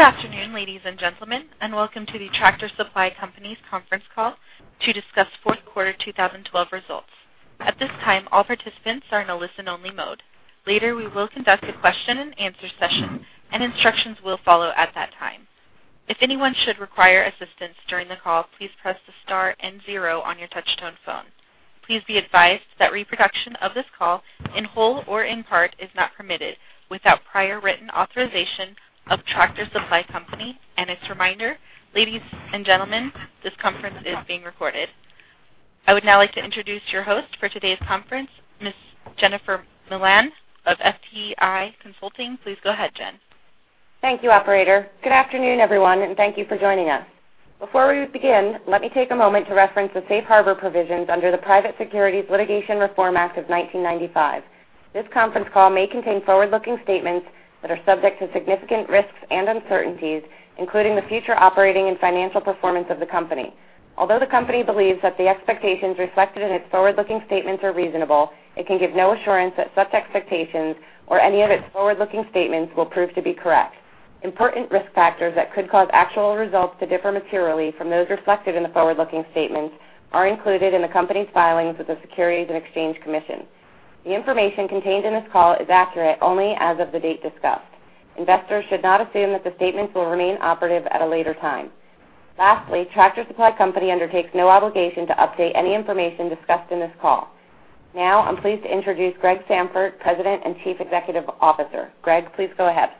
Good afternoon, ladies and gentlemen, and welcome to the Tractor Supply Company's conference call to discuss fourth quarter 2012 results. At this time, all participants are in a listen-only mode. Later, we will conduct a question and answer session, and instructions will follow at that time. If anyone should require assistance during the call, please press the star and zero on your touch-tone phone. Please be advised that reproduction of this call, in whole or in part, is not permitted without prior written authorization of Tractor Supply Company. As a reminder, ladies and gentlemen, this conference is being recorded. I would now like to introduce your host for today's conference, Ms. Jennifer Milan of FTI Consulting. Please go ahead, Jen. Thank you, operator. Good afternoon, everyone, and thank you for joining us. Before we begin, let me take a moment to reference the safe harbor provisions under the Private Securities Litigation Reform Act of 1995. This conference call may contain forward-looking statements that are subject to significant risks and uncertainties, including the future operating and financial performance of the company. Although the company believes that the expectations reflected in its forward-looking statements are reasonable, it can give no assurance that such expectations or any of its forward-looking statements will prove to be correct. Important risk factors that could cause actual results to differ materially from those reflected in the forward-looking statements are included in the company's filings with the Securities and Exchange Commission. The information contained in this call is accurate only as of the date discussed. Investors should not assume that the statements will remain operative at a later time. Lastly, Tractor Supply Company undertakes no obligation to update any information discussed in this call. Now, I'm pleased to introduce Gregory Sandfort, President and Chief Executive Officer. Greg, please go ahead.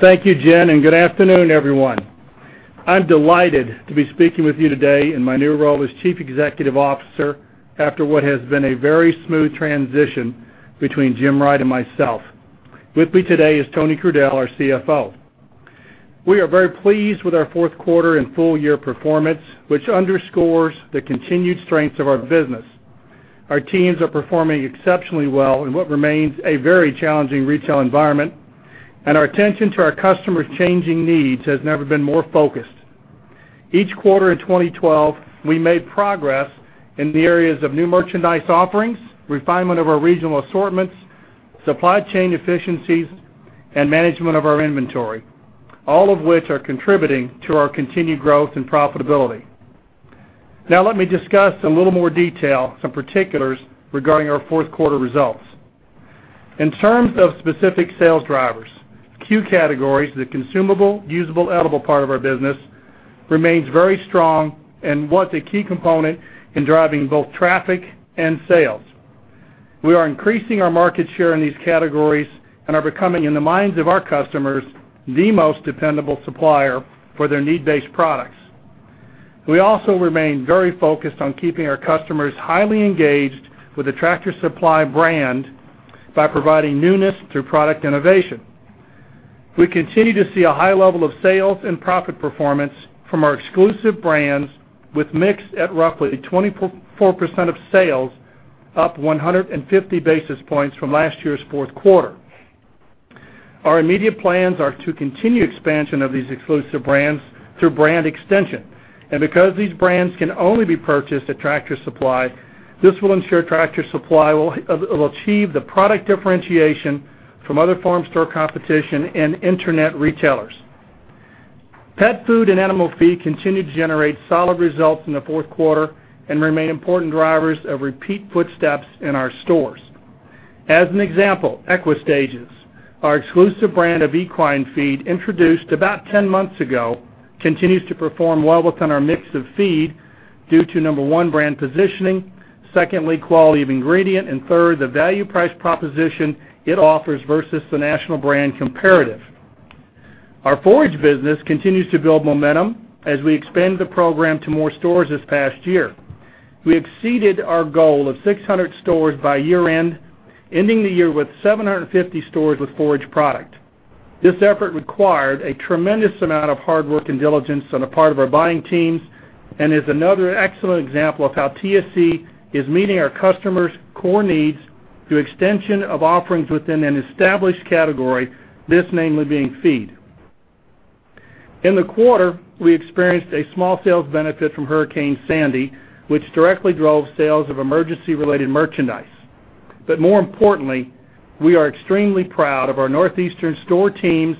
Thank you, Jen. Good afternoon, everyone. I'm delighted to be speaking with you today in my new role as Chief Executive Officer after what has been a very smooth transition between Jim Wright and myself. With me today is Tony Crudele, our CFO. We are very pleased with our fourth quarter and full-year performance, which underscores the continued strengths of our business. Our teams are performing exceptionally well in what remains a very challenging retail environment. Our attention to our customers' changing needs has never been more focused. Each quarter of 2012, we made progress in the areas of new merchandise offerings, refinement of our regional assortments, supply chain efficiencies, management of our inventory, all of which are contributing to our continued growth and profitability. Let me discuss in a little more detail some particulars regarding our fourth quarter results. In terms of specific sales drivers, C.U.E. categories, the consumable, usable, edible part of our business, remains very strong and was a key component in driving both traffic and sales. We are increasing our market share in these categories and are becoming, in the minds of our customers, the most dependable supplier for their need-based products. We also remain very focused on keeping our customers highly engaged with the Tractor Supply brand by providing newness through product innovation. We continue to see a high level of sales and profit performance from our exclusive brands with mix at roughly 24% of sales, up 150 basis points from last year's fourth quarter. Our immediate plans are to continue expansion of these exclusive brands through brand extension. Because these brands can only be purchased at Tractor Supply, this will ensure Tractor Supply will achieve the product differentiation from other farm store competition and internet retailers. Pet food and animal feed continued to generate solid results in the fourth quarter and remain important drivers of repeat footsteps in our stores. As an example, EquiStage, our exclusive brand of equine feed introduced about 10 months ago, continues to perform well within our mix of feed due to, number 1, brand positioning, secondly, quality of ingredient, and third, the value price proposition it offers versus the national brand comparative. Our forage business continues to build momentum as we expand the program to more stores this past year. We exceeded our goal of 600 stores by year-end, ending the year with 750 stores with forage product. This effort required a tremendous amount of hard work and diligence on the part of our buying teams and is another excellent example of how TSC is meeting our customers' core needs through extension of offerings within an established category, this namely being feed. In the quarter, we experienced a small sales benefit from Hurricane Sandy, which directly drove sales of emergency-related merchandise. More importantly, we are extremely proud of our northeastern store teams,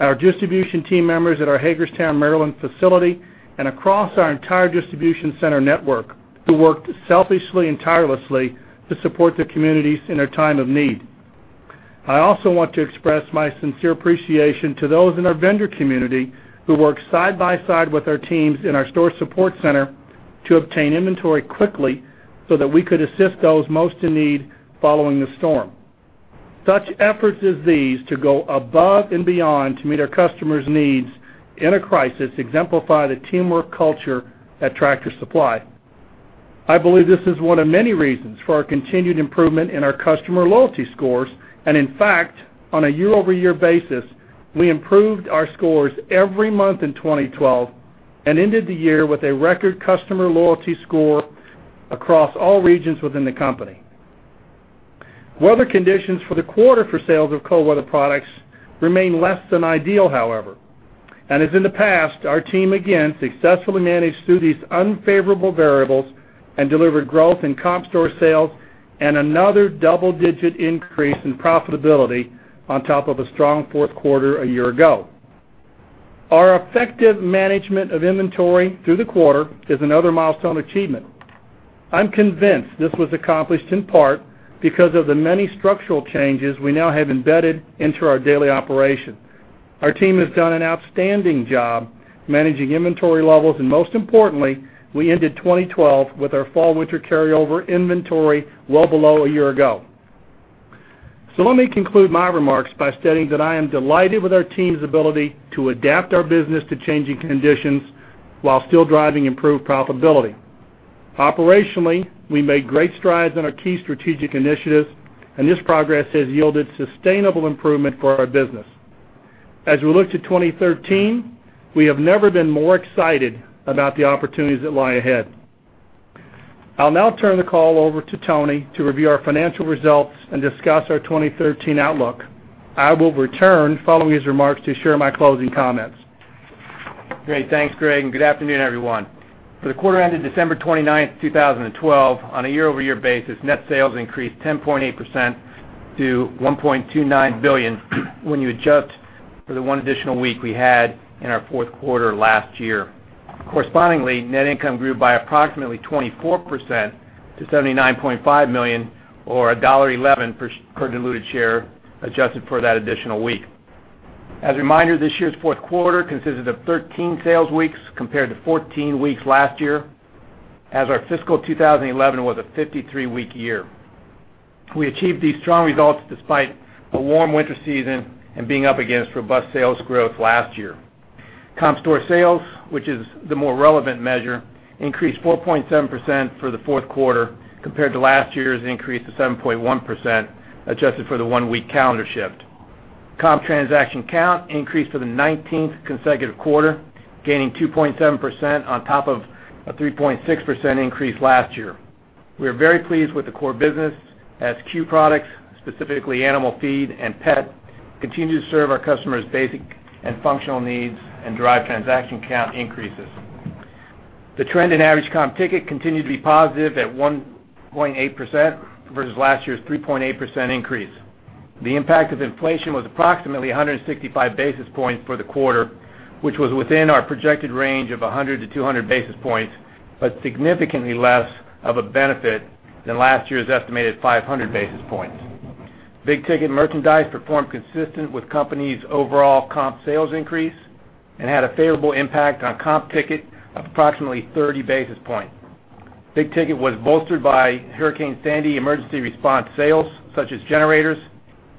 our distribution team members at our Hagerstown, Maryland facility, and across our entire distribution center network, who worked selfishly and tirelessly to support the communities in their time of need. I also want to express my sincere appreciation to those in our vendor community who worked side by side with our teams in our Store Support Center to obtain inventory quickly so that we could assist those most in need following the storm. Such efforts as these to go above and beyond to meet our customers' needs in a crisis exemplify the teamwork culture at Tractor Supply. I believe this is one of many reasons for our continued improvement in our customer loyalty scores. In fact, on a year-over-year basis, we improved our scores every month in 2012 and ended the year with a record customer loyalty score across all regions within the company. Weather conditions for the quarter for sales of cold weather products remain less than ideal, however. As in the past, our team again successfully managed through these unfavorable variables and delivered growth in comp store sales and another double-digit increase in profitability on top of a strong fourth quarter a year ago. Our effective management of inventory through the quarter is another milestone achievement. I'm convinced this was accomplished in part because of the many structural changes we now have embedded into our daily operations. Our team has done an outstanding job managing inventory levels, and most importantly, we ended 2012 with our fall/winter carryover inventory well below a year ago. Let me conclude my remarks by stating that I am delighted with our team's ability to adapt our business to changing conditions while still driving improved profitability. Operationally, we made great strides in our key strategic initiatives, and this progress has yielded sustainable improvement for our business. As we look to 2013, we have never been more excited about the opportunities that lie ahead. I'll now turn the call over to Tony to review our financial results and discuss our 2013 outlook. I will return following his remarks to share my closing comments. Great. Thanks, Greg, and good afternoon, everyone. For the quarter ended December 29th, 2012, on a year-over-year basis, net sales increased 10.8% to $1.29 billion when you adjust for the one additional week we had in our fourth quarter last year. Correspondingly, net income grew by approximately 24% to $79.5 million or $1.11 per diluted share, adjusted for that additional week. As a reminder, this year's fourth quarter consisted of 13 sales weeks, compared to 14 weeks last year, as our fiscal 2011 was a 53-week year. We achieved these strong results despite a warm winter season and being up against robust sales growth last year. Comp store sales, which is the more relevant measure, increased 4.7% for the fourth quarter, compared to last year's increase of 7.1%, adjusted for the one-week calendar shift. Comp transaction count increased for the 19th consecutive quarter, gaining 2.7% on top of a 3.6% increase last year. We are very pleased with the core business as C.U.E. products, specifically animal feed and pet, continue to serve our customers' basic and functional needs and drive transaction count increases. The trend in average comp ticket continued to be positive at 1.8% versus last year's 3.8% increase. The impact of inflation was approximately 165 basis points for the quarter, which was within our projected range of 100 to 200 basis points, but significantly less of a benefit than last year's estimated 500 basis points. Big-ticket merchandise performed consistent with company's overall comp sales increase and had a favorable impact on comp ticket of approximately 30 basis points. Big ticket was bolstered by Hurricane Sandy emergency response sales, such as generators,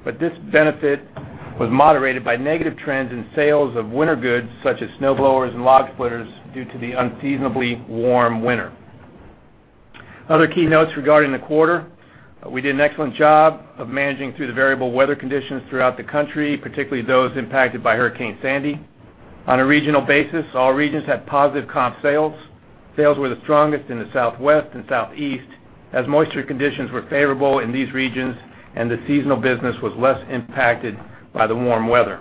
but this benefit was moderated by negative trends in sales of winter goods such as snowblowers and log splitters due to the unseasonably warm winter. Other key notes regarding the quarter, we did an excellent job of managing through the variable weather conditions throughout the country, particularly those impacted by Hurricane Sandy. On a regional basis, all regions had positive comp sales. Sales were the strongest in the Southwest and Southeast, as moisture conditions were favorable in these regions and the seasonal business was less impacted by the warm weather.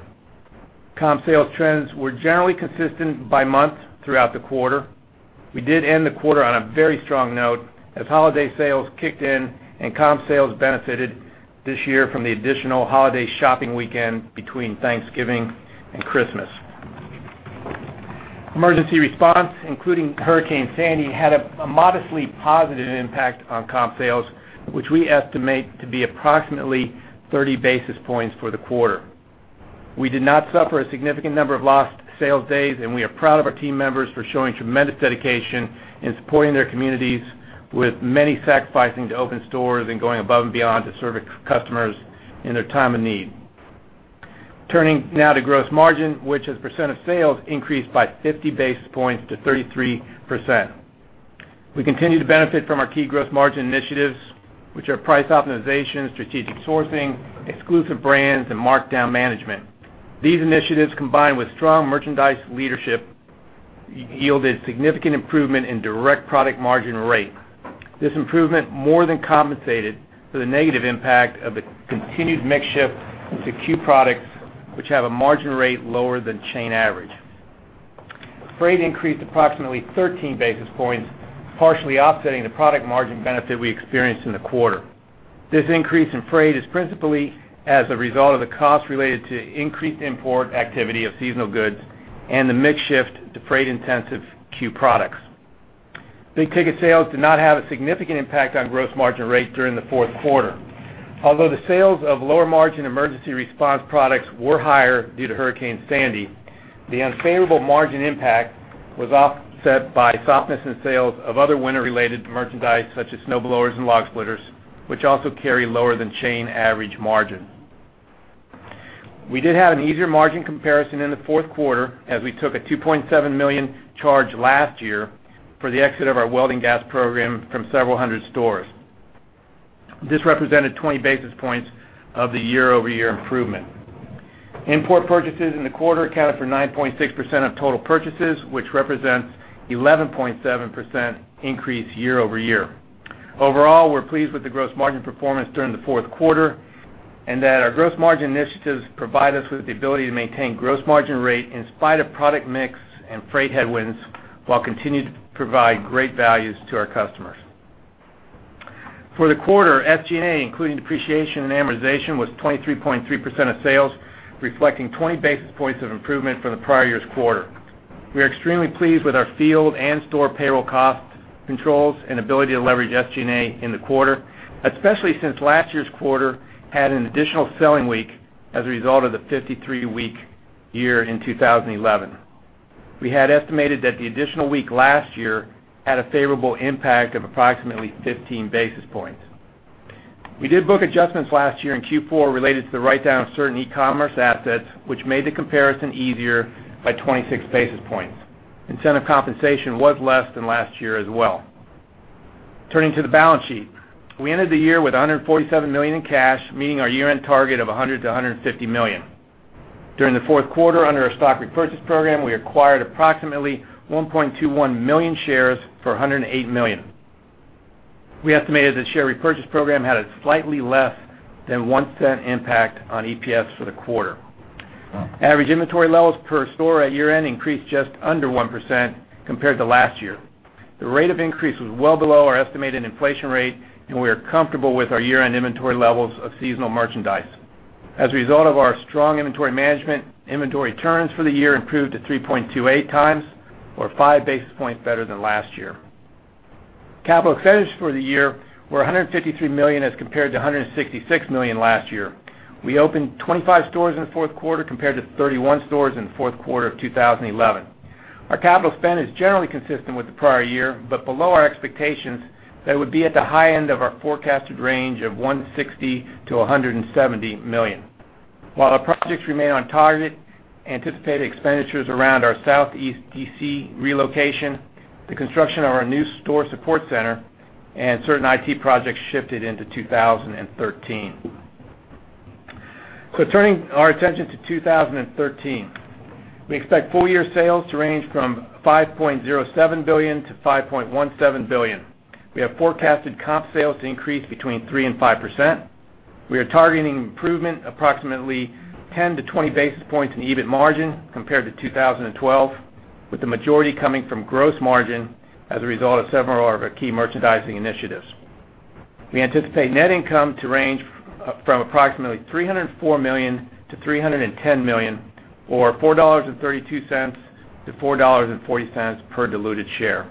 Comp sales trends were generally consistent by month throughout the quarter. We did end the quarter on a very strong note as holiday sales kicked in and comp sales benefited this year from the additional holiday shopping weekend between Thanksgiving and Christmas. Emergency response, including Hurricane Sandy, had a modestly positive impact on comp sales, which we estimate to be approximately 30 basis points for the quarter. We did not suffer a significant number of lost sales days, and we are proud of our team members for showing tremendous dedication in supporting their communities with many sacrificing to open stores and going above and beyond to serve customers in their time of need. Turning now to gross margin, which as % of sales increased by 50 basis points to 33%. We continue to benefit from our key gross margin initiatives, which are price optimization, strategic sourcing, exclusive brands, and markdown management. These initiatives, combined with strong merchandise leadership, yielded significant improvement in direct product margin rate. This improvement more than compensated for the negative impact of the continued mix shift to C.U.E. products, which have a margin rate lower than chain average. Freight increased approximately 13 basis points, partially offsetting the product margin benefit we experienced in the quarter. This increase in freight is principally as a result of the cost related to increased import activity of seasonal goods and the mix shift to freight-intensive C.U.E. products. Big-ticket sales did not have a significant impact on gross margin rate during the fourth quarter. Although the sales of lower-margin emergency response products were higher due to Hurricane Sandy, the unfavorable margin impact was offset by softness in sales of other winter-related merchandise such as snowblowers and log splitters, which also carry lower than chain average margin. We did have an easier margin comparison in the fourth quarter as we took a $2.7 million charge last year for the exit of our welding gas program from several hundred stores. This represented 20 basis points of the year-over-year improvement. Import purchases in the quarter accounted for 9.6% of total purchases, which represents 11.7% increase year-over-year. Overall, we're pleased with the gross margin performance during the fourth quarter. Our gross margin initiatives provide us with the ability to maintain gross margin rate in spite of product mix and freight headwinds, while continuing to provide great values to our customers. For the quarter, SG&A, including depreciation and amortization, was 23.3% of sales, reflecting 20 basis points of improvement from the prior year's quarter. We are extremely pleased with our field and store payroll cost controls and ability to leverage SG&A in the quarter, especially since last year's quarter had an additional selling week as a result of the 53-week year in 2011. We had estimated that the additional week last year had a favorable impact of approximately 15 basis points. We did book adjustments last year in Q4 related to the write-down of certain e-commerce assets, which made the comparison easier by 26 basis points. Incentive compensation was less than last year as well. Turning to the balance sheet. We ended the year with $147 million in cash, meeting our year-end target of $100 million to $150 million. During the fourth quarter, under our stock repurchase program, we acquired approximately 1.21 million shares for $108 million. We estimated the share repurchase program had a slightly less than $0.01 impact on EPS for the quarter. Average inventory levels per store at year-end increased just under 1% compared to last year. The rate of increase was well below our estimated inflation rate, and we are comfortable with our year-end inventory levels of seasonal merchandise. As a result of our strong inventory management, inventory turns for the year improved to 3.28 times or five basis points better than last year. Capital expenditures for the year were $153 million as compared to $166 million last year. We opened 25 stores in the fourth quarter compared to 31 stores in the fourth quarter of 2011. Our capital spend is generally consistent with the prior year, but below our expectations, that would be at the high end of our forecasted range of $160 million-$170 million. While our projects remain on target, anticipated expenditures around our Southeast DC relocation, the construction of our new Store Support Center, and certain IT projects shifted into 2013. Turning our attention to 2013. We expect full-year sales to range from $5.07 billion-$5.17 billion. We have forecasted comp sales to increase between 3%-5%. We are targeting improvement approximately 10-20 basis points in EBIT margin compared to 2012, with the majority coming from gross margin as a result of several of our key merchandising initiatives. We anticipate net income to range from approximately $304 million-$310 million, or $4.32-$4.40 per diluted share.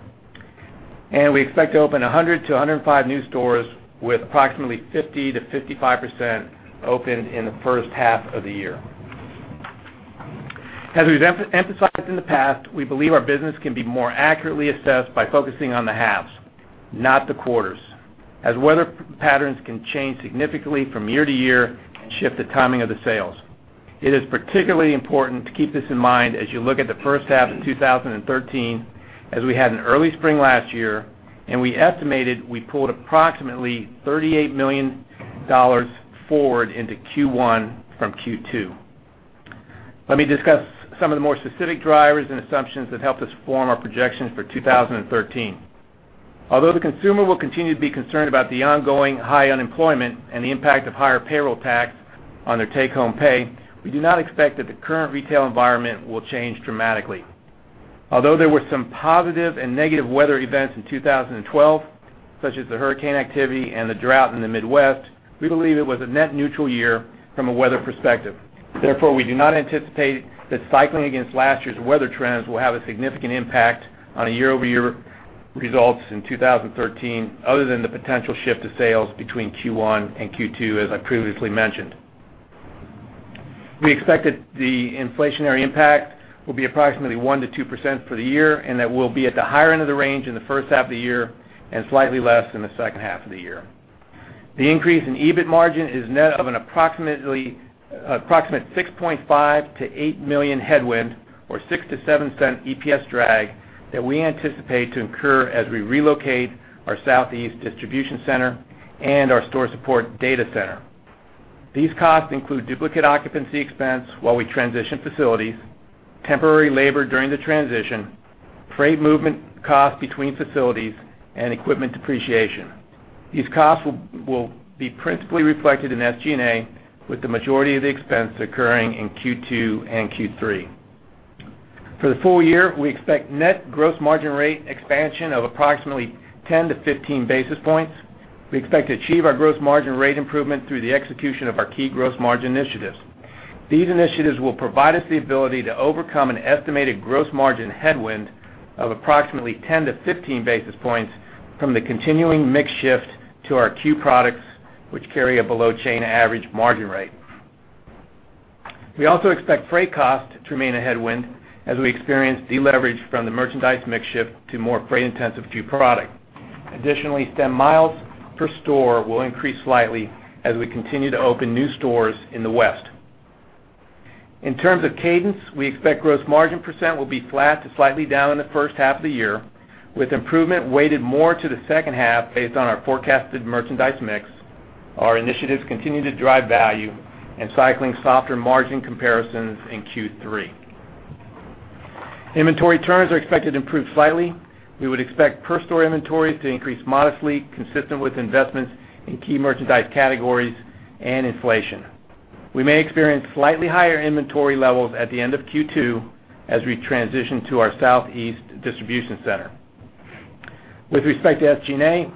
We expect to open 100-105 new stores with approximately 50%-55% opened in the first half of the year. As we've emphasized in the past, we believe our business can be more accurately assessed by focusing on the halves, not the quarters, as weather patterns can change significantly from year-to-year and shift the timing of the sales. It is particularly important to keep this in mind as you look at the first half of 2013, as we had an early spring last year and we estimated we pulled approximately $38 million forward into Q1 from Q2. Let me discuss some of the more specific drivers and assumptions that helped us form our projections for 2013. Although the consumer will continue to be concerned about the ongoing high unemployment and the impact of higher payroll tax on their take-home pay, we do not expect that the current retail environment will change dramatically. Although there were some positive and negative weather events in 2012, such as the hurricane activity and the drought in the Midwest, we believe it was a net neutral year from a weather perspective. Therefore, we do not anticipate that cycling against last year's weather trends will have a significant impact on year-over-year results in 2013, other than the potential shift of sales between Q1 and Q2, as I previously mentioned. We expect that the inflationary impact will be approximately 1%-2% for the year, and that will be at the higher end of the range in the first half of the year and slightly less in the second half of the year. The increase in EBIT margin is net of an approximate $6.5 million-$8 million headwind or $0.06-$0.07 EPS drag that we anticipate to incur as we relocate our Southeast distribution center and our store support data center. These costs include duplicate occupancy expense while we transition facilities, temporary labor during the transition, freight movement costs between facilities, and equipment depreciation. These costs will be principally reflected in SG&A, with the majority of the expense occurring in Q2 and Q3. For the full year, we expect net gross margin rate expansion of approximately 10 to 15 basis points. We expect to achieve our gross margin rate improvement through the execution of our key gross margin initiatives. These initiatives will provide us the ability to overcome an estimated gross margin headwind of approximately 10 to 15 basis points from the continuing mix shift to our C.U.E. products, which carry a below-chain average margin rate. We also expect freight cost to remain a headwind as we experience deleverage from the merchandise mix shift to more freight-intensive C.U.E. product. Additionally, stem miles per store will increase slightly as we continue to open new stores in the West. In terms of cadence, we expect gross margin percent will be flat to slightly down in the first half of the year, with improvement weighted more to the second half based on our forecasted merchandise mix, our initiatives continuing to drive value, and cycling softer margin comparisons in Q3. Inventory turns are expected to improve slightly. We would expect per store inventories to increase modestly, consistent with investments in key merchandise categories and inflation. We may experience slightly higher inventory levels at the end of Q2 as we transition to our southeast distribution center. With respect to SG&A,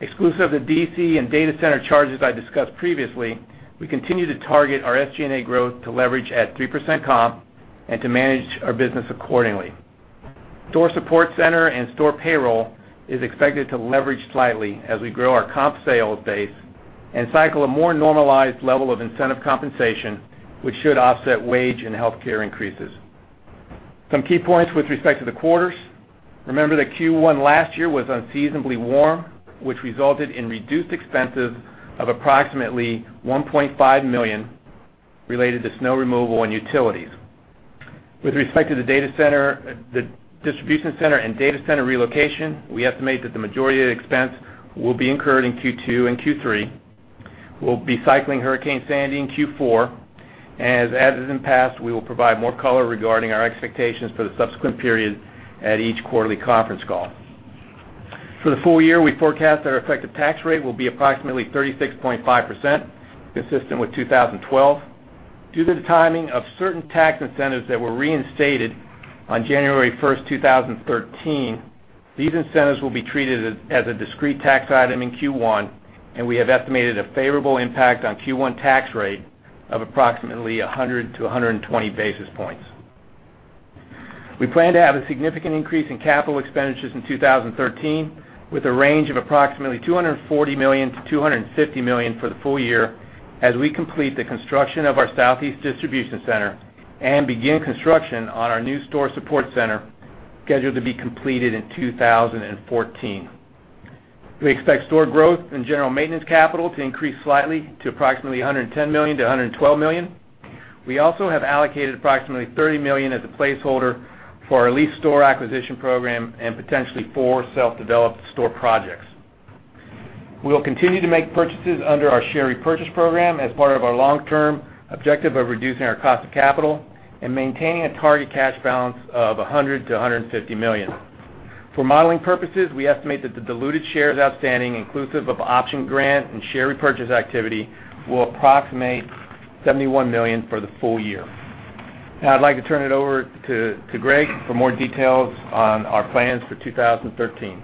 exclusive of the DC and data center charges I discussed previously, we continue to target our SG&A growth to leverage at 3% comp and to manage our business accordingly. Store support center and store payroll is expected to leverage slightly as we grow our comp sales base and cycle a more normalized level of incentive compensation, which should offset wage and healthcare increases. Some key points with respect to the quarters. Remember that Q1 last year was unseasonably warm, which resulted in reduced expenses of approximately $1.5 million related to snow removal and utilities. With respect to the distribution center and data center relocation, we estimate that the majority of the expense will be incurred in Q2 and Q3. We will be cycling Hurricane Sandy in Q4, and as in the past, we will provide more color regarding our expectations for the subsequent period at each quarterly conference call. For the full year, we forecast our effective tax rate will be approximately 36.5%, consistent with 2012. Due to the timing of certain tax incentives that were reinstated on January 1st, 2013, these incentives will be treated as a discrete tax item in Q1, and we have estimated a favorable impact on Q1 tax rate of approximately 100 to 120 basis points. We plan to have a significant increase in capital expenditures in 2013 with a range of approximately $240 million-$250 million for the full year as we complete the construction of our southeast distribution center and begin construction on our new Store Support Center, scheduled to be completed in 2014. We expect store growth and general maintenance capital to increase slightly to approximately $110 million-$112 million. We also have allocated approximately $30 million as a placeholder for our lease store acquisition program and potentially four self-developed store projects. We will continue to make purchases under our share repurchase program as part of our long-term objective of reducing our cost of capital and maintaining a target cash balance of $100 million-$150 million. For modeling purposes, we estimate that the diluted shares outstanding, inclusive of option grant and share repurchase activity, will approximate $71 million for the full year. I'd like to turn it over to Greg for more details on our plans for 2013.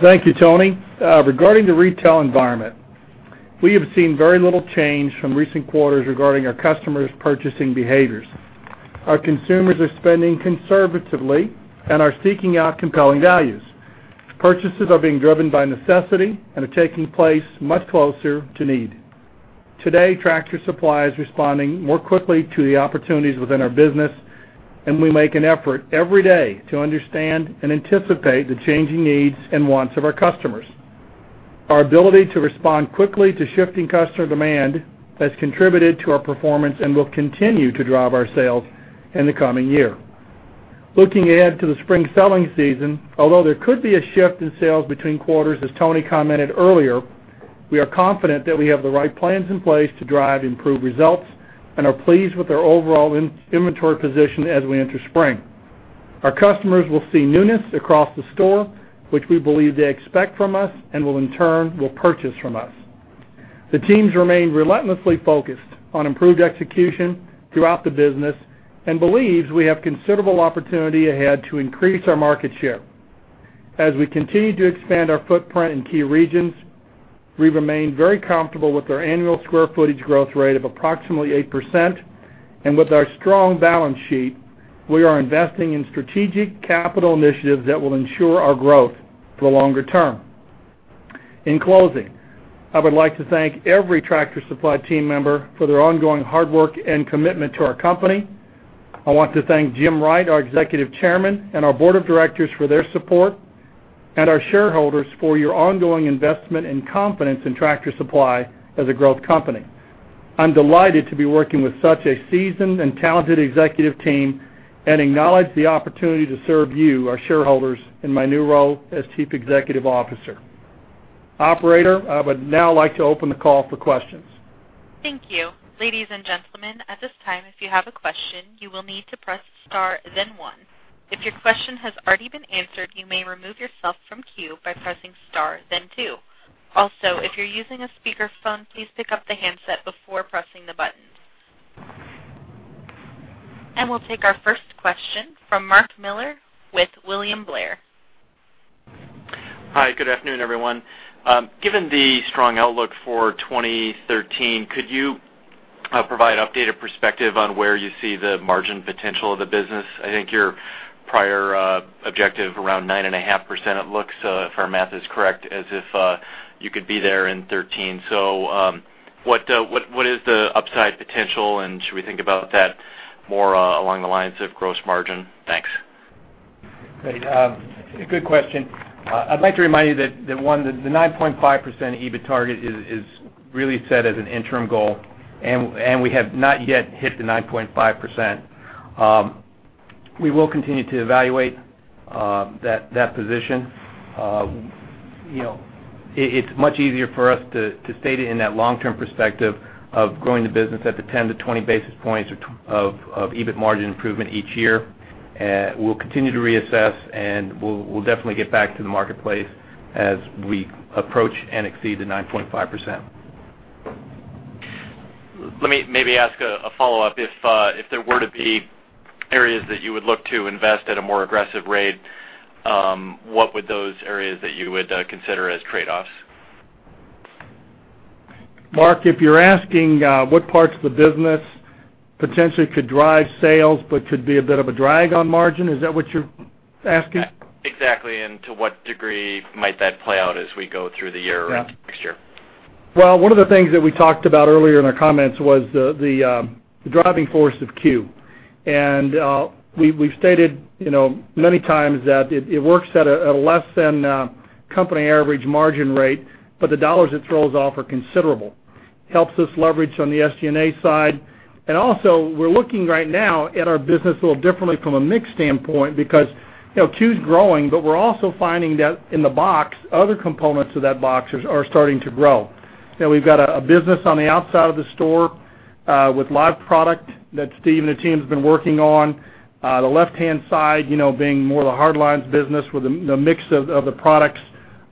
Thank you, Tony. Regarding the retail environment, we have seen very little change from recent quarters regarding our customers' purchasing behaviors. Our consumers are spending conservatively and are seeking out compelling values. Purchases are being driven by necessity and are taking place much closer to need. Today, Tractor Supply is responding more quickly to the opportunities within our business, and we make an effort every day to understand and anticipate the changing needs and wants of our customers. Our ability to respond quickly to shifting customer demand has contributed to our performance and will continue to drive our sales in the coming year. Looking ahead to the spring selling season, although there could be a shift in sales between quarters, as Tony commented earlier, we are confident that we have the right plans in place to drive improved results and are pleased with our overall inventory position as we enter spring. Our customers will see newness across the store, which we believe they expect from us and will in turn purchase from us. The teams remain relentlessly focused on improved execution throughout the business and believes we have considerable opportunity ahead to increase our market share. As we continue to expand our footprint in key regions, we remain very comfortable with our annual square footage growth rate of approximately 8%, and with our strong balance sheet, we are investing in strategic capital initiatives that will ensure our growth for the longer term. In closing, I would like to thank every Tractor Supply team member for their ongoing hard work and commitment to our company. I want to thank James Wright, our Executive Chairman, and our board of directors for their support, and our shareholders for your ongoing investment and confidence in Tractor Supply as a growth company. I'm delighted to be working with such a seasoned and talented executive team and acknowledge the opportunity to serve you, our shareholders, in my new role as Chief Executive Officer. Operator, I would now like to open the call for questions. Thank you. Ladies and gentlemen, at this time, if you have a question, you will need to press star then one. If your question has already been answered, you may remove yourself from queue by pressing star then two. Also, if you're using a speakerphone, please pick up the handset before pressing the buttons. We'll take our first question from Mark Miller with William Blair. Hi. Good afternoon, everyone. Given the strong outlook for 2013, could you provide updated perspective on where you see the margin potential of the business? I think your prior objective around 9.5%, it looks, if our math is correct, as if you could be there in 2013. What is the upside potential, and should we think about that more along the lines of gross margin? Thanks. Great. Good question. I'd like to remind you that, one, the 9.5% EBIT target is really set as an interim goal. We have not yet hit the 9.5%. We will continue to evaluate That position. It's much easier for us to stay in that long-term perspective of growing the business at the 10-20 basis points of EBIT margin improvement each year. We'll continue to reassess. We'll definitely get back to the marketplace as we approach and exceed the 9.5%. Let me maybe ask a follow-up. If there were to be areas that you would look to invest at a more aggressive rate, what would those areas that you would consider as trade-offs? Mark, if you're asking what parts of the business potentially could drive sales but could be a bit of a drag on margin, is that what you're asking? Exactly. To what degree might that play out as we go through the year or into next year? Well, one of the things that we talked about earlier in our comments was the driving force of Q. We've stated many times that it works at a less than company average margin rate, but the dollars it throws off are considerable. Helps us leverage on the SG&A side. Also, we're looking right now at our business a little differently from a mix standpoint because Q's growing, but we're also finding that in the box, other components of that box are starting to grow. We've got a business on the outside of the store with live product that Steve and the team has been working on. The left-hand side, being more the hard lines business with the mix of the products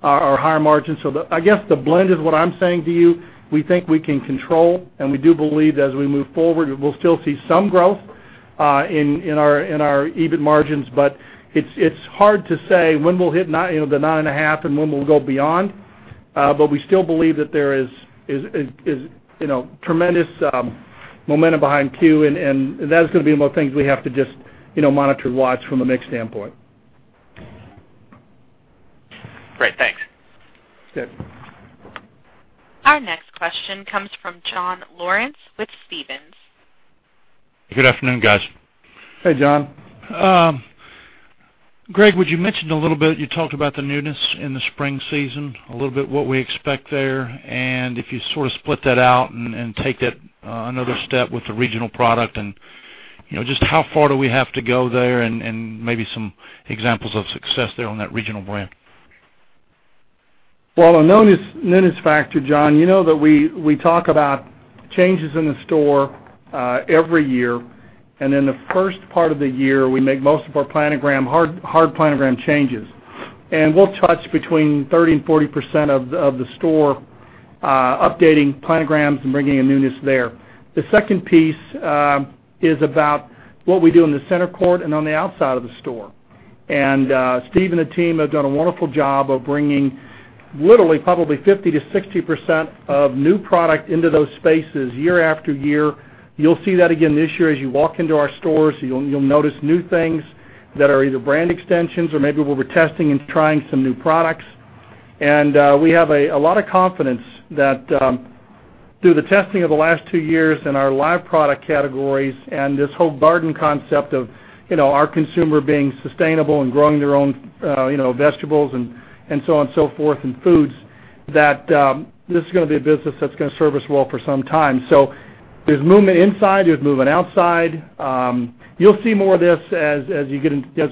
are higher margin. I guess the blend is what I'm saying to you. We think we can control, and we do believe as we move forward, we'll still see some growth in our EBIT margins, but it's hard to say when we'll hit the nine and a half and when we'll go beyond. We still believe that there is tremendous momentum behind Q, and that is going to be more things we have to just monitor and watch from a mix standpoint. Great, thanks. Good. Our next question comes from John Lawrence with Stephens. Good afternoon, guys. Hey, John. Greg, would you mention a little bit, you talked about the newness in the spring season, a little bit what we expect there. If you sort of split that out and take that another step with the regional product, just how far do we have to go there and maybe some examples of success there on that regional brand. Well, on newness factor, John, you know that we talk about changes in the store every year. In the first part of the year, we make most of our planogram, hard planogram changes. We'll touch between 30%-40% of the store updating planograms and bringing a newness there. The second piece is about what we do in the center court and on the outside of the store. Steve and the team have done a wonderful job of bringing literally probably 50%-60% of new product into those spaces year after year. You'll see that again this year as you walk into our stores. You'll notice new things that are either brand extensions or maybe what we're testing and trying some new products. We have a lot of confidence that through the testing of the last two years in our live product categories and this whole garden concept of our consumer being sustainable and growing their own vegetables and so on and so forth and foods, that this is going to be a business that's going to serve us well for some time. There's movement inside, there's movement outside. You'll see more of this as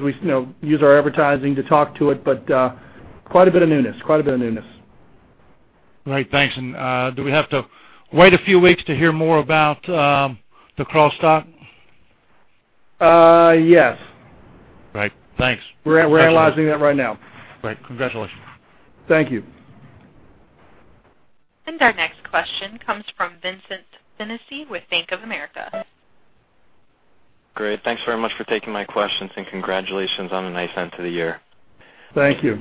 we use our advertising to talk to it, but quite a bit of newness. Great, thanks. Do we have to wait a few weeks to hear more about the Chick Days? Yes. Right. Thanks. We're analyzing that right now. Great. Congratulations. Thank you. Our next question comes from Vincent Sinisi with Bank of America. Great. Thanks very much for taking my questions, and congratulations on a nice end to the year. Thank you.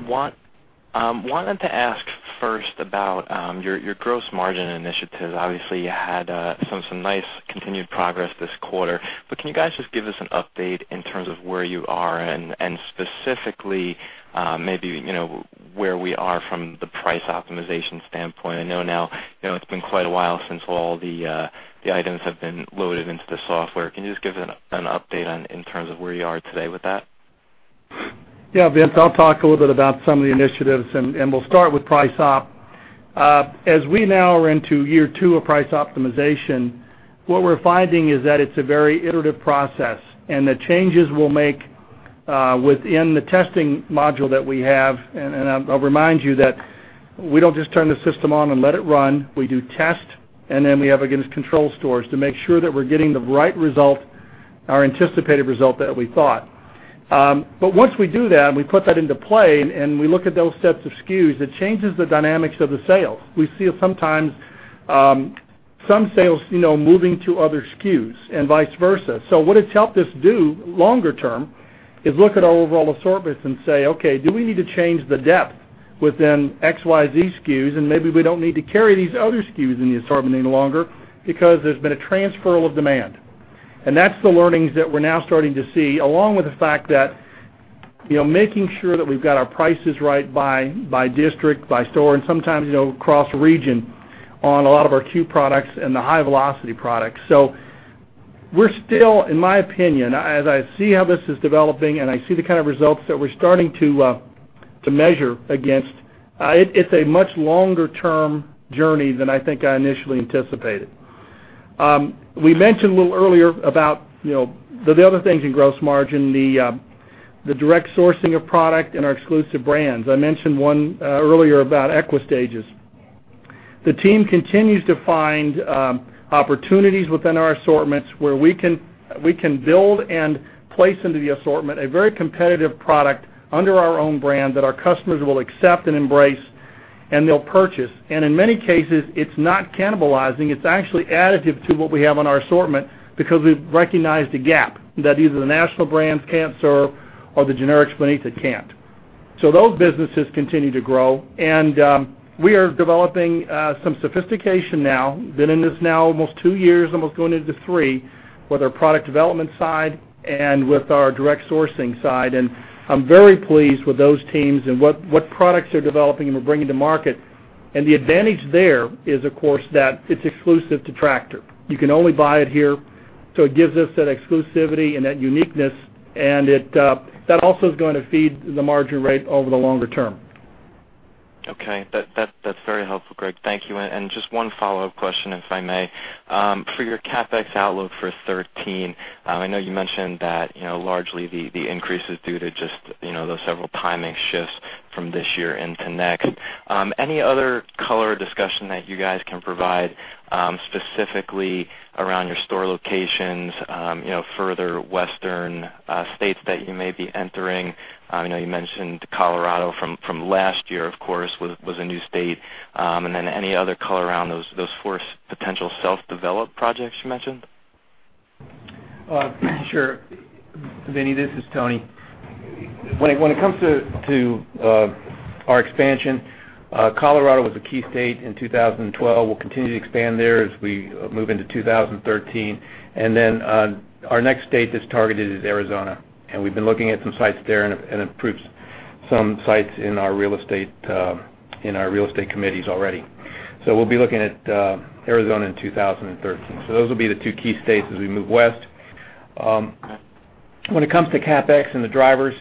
Wanted to ask first about your gross margin initiatives. Obviously, you had some nice continued progress this quarter. Can you guys just give us an update in terms of where you are and specifically maybe, where we are from the price optimization standpoint? I know now it's been quite a while since all the items have been loaded into the software. Can you just give an update in terms of where you are today with that? Yeah, Vince, I'll talk a little bit about some of the initiatives, and we'll start with price op. As we now are into year two of price optimization, what we're finding is that it's a very iterative process and the changes we'll make within the testing module that we have, and I'll remind you that we don't just turn the system on and let it run. We do test, and then we have, again, control stores to make sure that we're getting the right result, our anticipated result that we thought. Once we do that, and we put that into play and we look at those sets of SKUs, it changes the dynamics of the sale. We see sometimes some sales moving to other SKUs and vice versa. What it's helped us do longer term is look at our overall assortments and say, okay, do we need to change the depth within XYZ SKUs, and maybe we don't need to carry these other SKUs in the assortment any longer because there's been a transferal of demand. That's the learnings that we're now starting to see, along with the fact that making sure that we've got our prices right by district, by store, and sometimes, cross-region on a lot of our Q products and the high-velocity products. We're still, in my opinion, as I see how this is developing and I see the kind of results that we're starting to measure against, it's a much longer-term journey than I think I initially anticipated. We mentioned a little earlier about the other things in gross margin, the direct sourcing of product and our exclusive brands. I mentioned one earlier about Equistages. The team continues to find opportunities within our assortments where we can build and place into the assortment a very competitive product under our own brand that our customers will accept and embrace, and they'll purchase. In many cases, it's not cannibalizing. It's actually additive to what we have in our assortment because we've recognized a gap that either the national brands can't serve or the generics beneath it can't. Those businesses continue to grow, and we are developing some sophistication now. Been in this now almost two years, almost going into three, with our product development side and with our direct sourcing side. I'm very pleased with those teams and what products they're developing and we're bringing to market. The advantage there is, of course, that it's exclusive to Tractor. You can only buy it here. It gives us that exclusivity and that uniqueness, and that also is going to feed the margin rate over the longer term. Okay. That's very helpful, Greg. Thank you. Just one follow-up question, if I may. For your CapEx outlook for 2013, I know you mentioned that largely the increase is due to just those several timing shifts from this year into next. Any other color or discussion that you guys can provide, specifically around your store locations, further western states that you may be entering? I know you mentioned Colorado from last year, of course, was a new state. Then any other color around those four potential self-developed projects you mentioned? Sure. Vinny, this is Tony. When it comes to our expansion, Colorado was a key state in 2012. We'll continue to expand there as we move into 2013. Then our next state that's targeted is Arizona, and we've been looking at some sites there and approved some sites in our real estate committees already. We'll be looking at Arizona in 2013. Those will be the two key states as we move west. When it comes to CapEx and the drivers,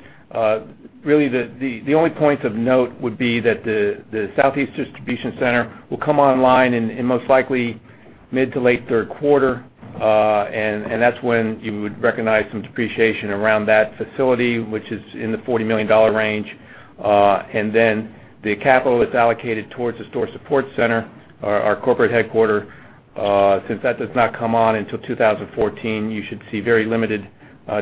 really the only points of note would be that the southeast distribution center will come online in most likely mid to late third quarter. That's when you would recognize some depreciation around that facility, which is in the $40 million range. The capital that's allocated towards the Store Support Center, our corporate headquarters, since that does not come on until 2014, you should see very limited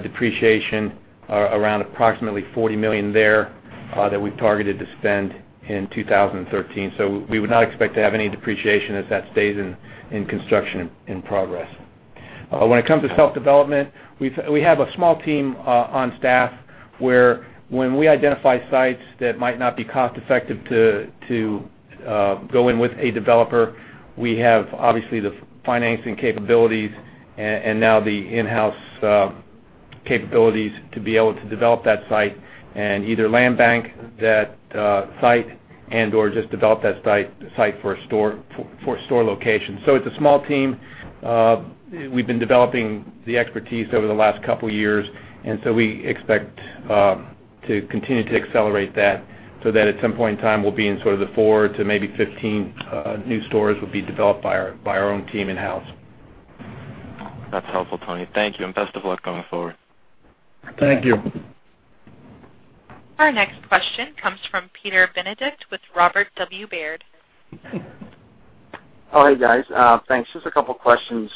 depreciation around approximately $40 million there that we've targeted to spend in 2013. We would not expect to have any depreciation as that stays in construction in progress. When it comes to self-development, we have a small team on staff where when we identify sites that might not be cost-effective to go in with a developer, we have obviously the financing capabilities and now the in-house capabilities to be able to develop that site and either land bank that site and/or just develop that site for a store location. It's a small team. We've been developing the expertise over the last couple of years, and so we expect to continue to accelerate that so that at some point in time, we'll be in sort of the four to maybe 15 new stores will be developed by our own team in-house. That's helpful, Tony. Thank you, and best of luck going forward. Thank you. Our next question comes from Peter Benedict with Robert W. Baird. Oh, hey guys. Thanks. Just a couple of questions.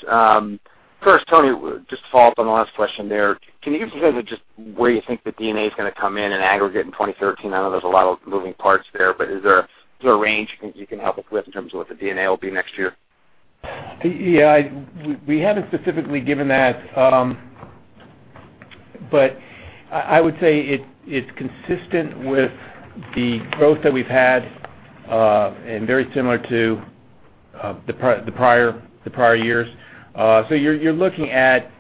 First, Tony, just to follow up on the last question there, can you give us an idea of just where you think the D&A is going to come in aggregate in 2013? I know there's a lot of moving parts there, is there a range you can help us with in terms of what the D&A will be next year? Yeah. We haven't specifically given that. I would say it's consistent with the growth that we've had, and very similar to the prior years. You're looking at,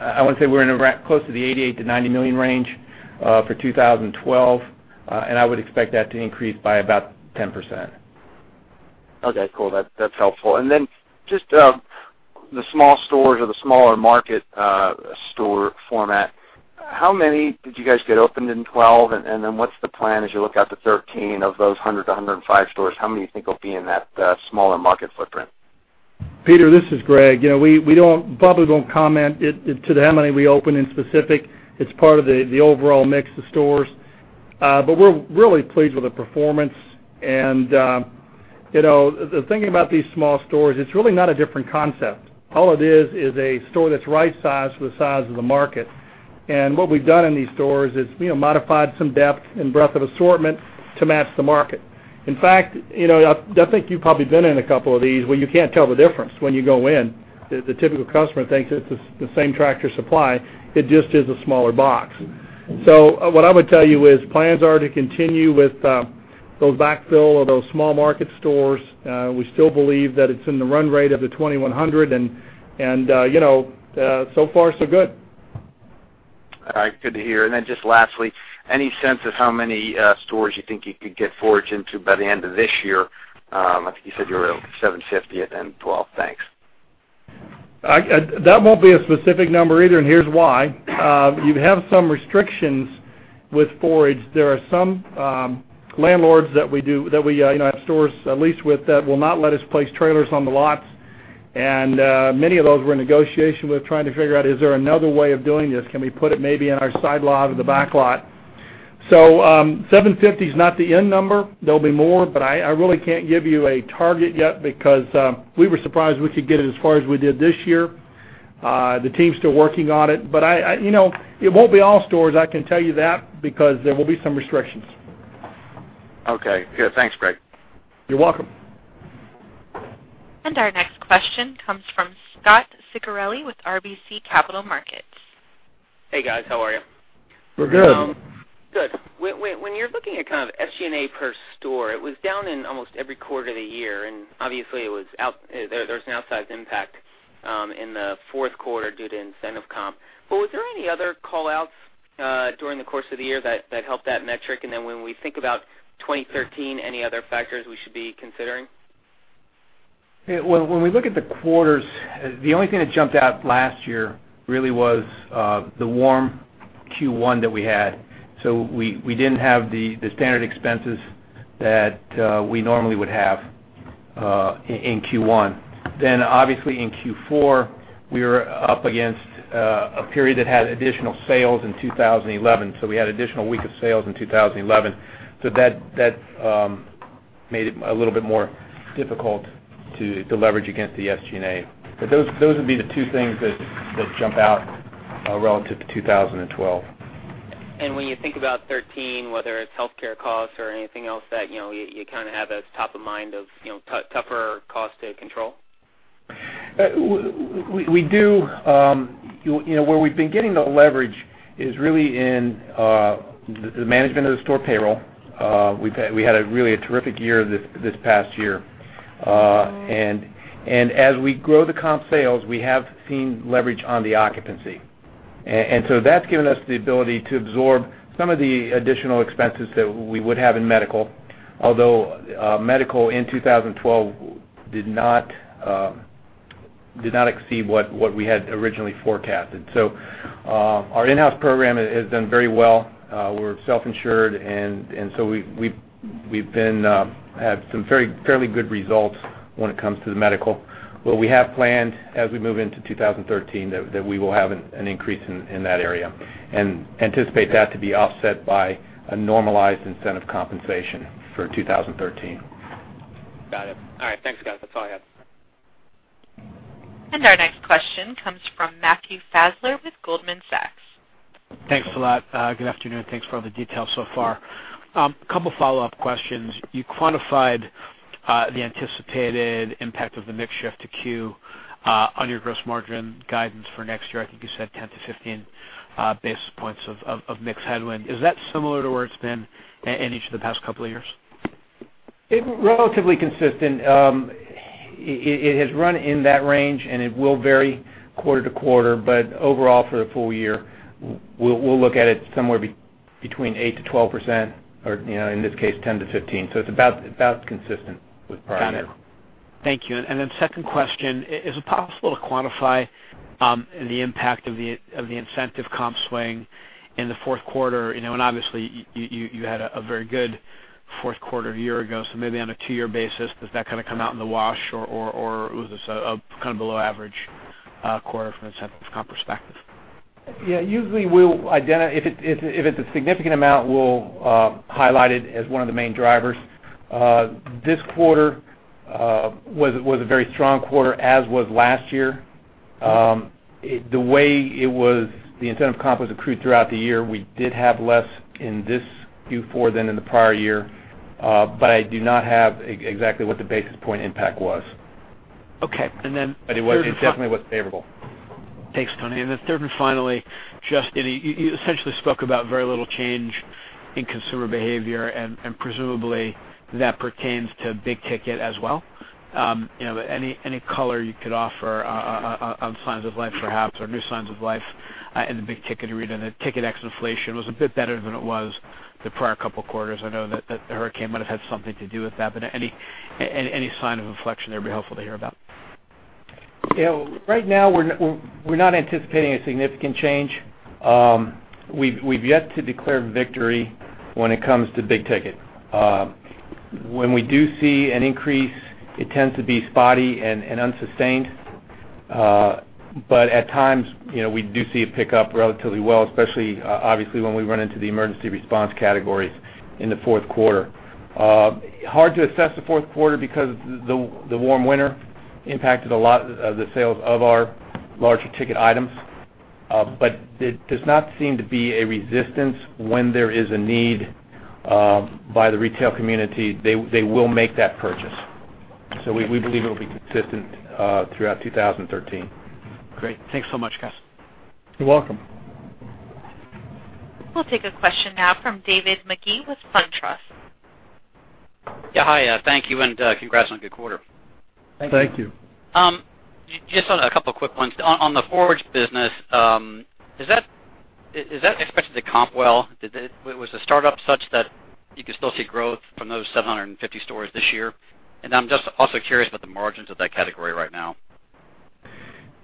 I want to say we're close to the $88 million-$90 million range for 2012, and I would expect that to increase by about 10%. Okay, cool. That's helpful. Just the small stores or the smaller market store format, how many did you guys get opened in 2012? What's the plan as you look out to 2013 of those 100-105 stores? How many do you think will be in that smaller market footprint? Peter, this is Greg. We probably won't comment to how many we open in specific. It's part of the overall mix of stores. We're really pleased with the performance. The thing about these small stores, it's really not a different concept. All it is a store that's right size for the size of the market. What we've done in these stores is modified some depth and breadth of assortment to match the market. In fact, I think you've probably been in a couple of these where you can't tell the difference when you go in. The typical customer thinks it's the same Tractor Supply. It just is a smaller box. What I would tell you is plans are to continue with those backfill or those small market stores. We still believe that it's in the run rate of the 2,100, and so far so good. All right, good to hear. Just lastly, any sense of how many stores you think you could get Forage into by the end of this year? I think you said you were at 750 at the end of 2012. Thanks. That won't be a specific number either. Here's why. You have some restrictions With Forage, there are some landlords that we have stores leased with that will not let us place trailers on the lots. Many of those we're in negotiation with trying to figure out, is there another way of doing this? Can we put it maybe in our side lot or the back lot? 750 is not the end number. There'll be more, I really can't give you a target yet because we were surprised we could get it as far as we did this year. The team's still working on it. It won't be all stores, I can tell you that, because there will be some restrictions. Okay. Good. Thanks, Greg. You're welcome. Our next question comes from Scot Ciccarelli with RBC Capital Markets. Hey, guys. How are you? We're good. Good. When you're looking at kind of SG&A per store, it was down in almost every quarter of the year, obviously, there's an outsized impact in the fourth quarter due to incentive comp. Was there any other call-outs during the course of the year that helped that metric? When we think about 2013, any other factors we should be considering? When we look at the quarters, the only thing that jumped out last year really was the warm Q1 that we had. We didn't have the standard expenses that we normally would have in Q1. Obviously in Q4, we were up against a period that had additional sales in 2011. We had additional week of sales in 2011. That made it a little bit more difficult to leverage against the SG&A. Those would be the two things that jump out relative to 2012. When you think about 2013, whether it's healthcare costs or anything else that you kind of have as top of mind of tougher costs to control? Where we've been getting the leverage is really in the management of the store payroll. We had a really terrific year this past year. As we grow the comp sales, we have seen leverage on the occupancy. That's given us the ability to absorb some of the additional expenses that we would have in medical, although medical in 2012 did not exceed what we had originally forecasted. Our in-house program has done very well. We're self-insured, we've had some fairly good results when it comes to the medical. We have planned as we move into 2013 that we will have an increase in that area and anticipate that to be offset by a normalized incentive compensation for 2013. Got it. All right. Thanks, guys. That's all I had. Our next question comes from Matthew Fassler with Goldman Sachs. Thanks a lot. Good afternoon. Thanks for all the details so far. Couple follow-up questions. You quantified the anticipated impact of the mix shift to Q on your gross margin guidance for next year. I think you said 10-15 basis points of mix headwind. Is that similar to where it's been in each of the past couple of years? It's relatively consistent. It has run in that range, and it will vary quarter to quarter, but overall, for the full year, we'll look at it somewhere between 8%-12%, or in this case, 10-15. It's about consistent with prior years. Got it. Thank you. Then second question, is it possible to quantify the impact of the incentive comp swing in the fourth quarter? Obviously, you had a very good fourth quarter a year ago, so maybe on a two-year basis, does that kind of come out in the wash, or was this a kind of below average quarter from an incentive comp perspective? Yeah. If it's a significant amount, we'll highlight it as one of the main drivers. This quarter was a very strong quarter, as was last year. The way the incentive comp was accrued throughout the year, we did have less in this Q4 than in the prior year, but I do not have exactly what the basis point impact was. Okay. It definitely was favorable. Thanks, Tony. Third and finally, just you essentially spoke about very little change in consumer behavior, and presumably, that pertains to big ticket as well. Any color you could offer on signs of life, perhaps, or new signs of life in the big ticket arena. The ticket ex inflation was a bit better than it was the prior couple quarters. I know that the Hurricane Sandy might have had something to do with that, but any sign of inflection there would be helpful to hear about. Right now, we're not anticipating a significant change. We've yet to declare victory when it comes to big ticket. When we do see an increase, it tends to be spotty and unsustained. At times, we do see it pick up relatively well, especially obviously when we run into the emergency response categories in the fourth quarter. Hard to assess the fourth quarter because the warm winter impacted a lot of the sales of our larger ticket items. There does not seem to be a resistance when there is a need by the retail community. They will make that purchase. We believe it will be consistent throughout 2013. Great. Thanks so much, guys. You're welcome. We'll take a question now from David Magee with SunTrust. Yeah. Hi, thank you, and congrats on a good quarter. Thank you. Thank you. Just a couple of quick ones. On the Forage business, is that expected to comp well? Was the startup such that you could still see growth from those 750 stores this year? I'm just also curious about the margins of that category right now.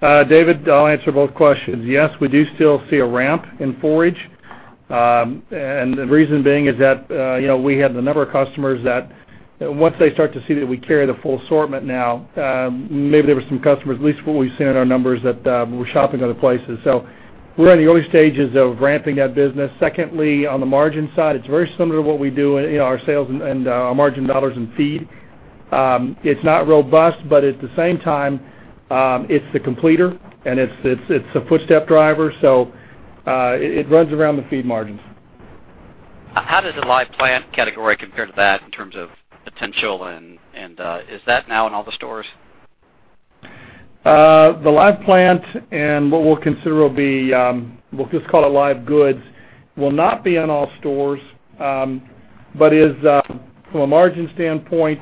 David, I'll answer both questions. Yes, we do still see a ramp in forage. The reason being is that we had the number of customers that once they start to see that we carry the full assortment now, maybe there were some customers, at least what we see in our numbers, that were shopping other places. We're in the early stages of ramping that business. Secondly, on the margin side, it's very similar to what we do in our sales and our margin dollars in feed. It's not robust, but at the same time, it's the completer and it's a footstep driver, so it runs around the feed margins. How does the live plant category compare to that in terms of potential? Is that now in all the stores? The live plant and what we'll consider will be, we'll just call it live goods, will not be in all stores. From a margin standpoint,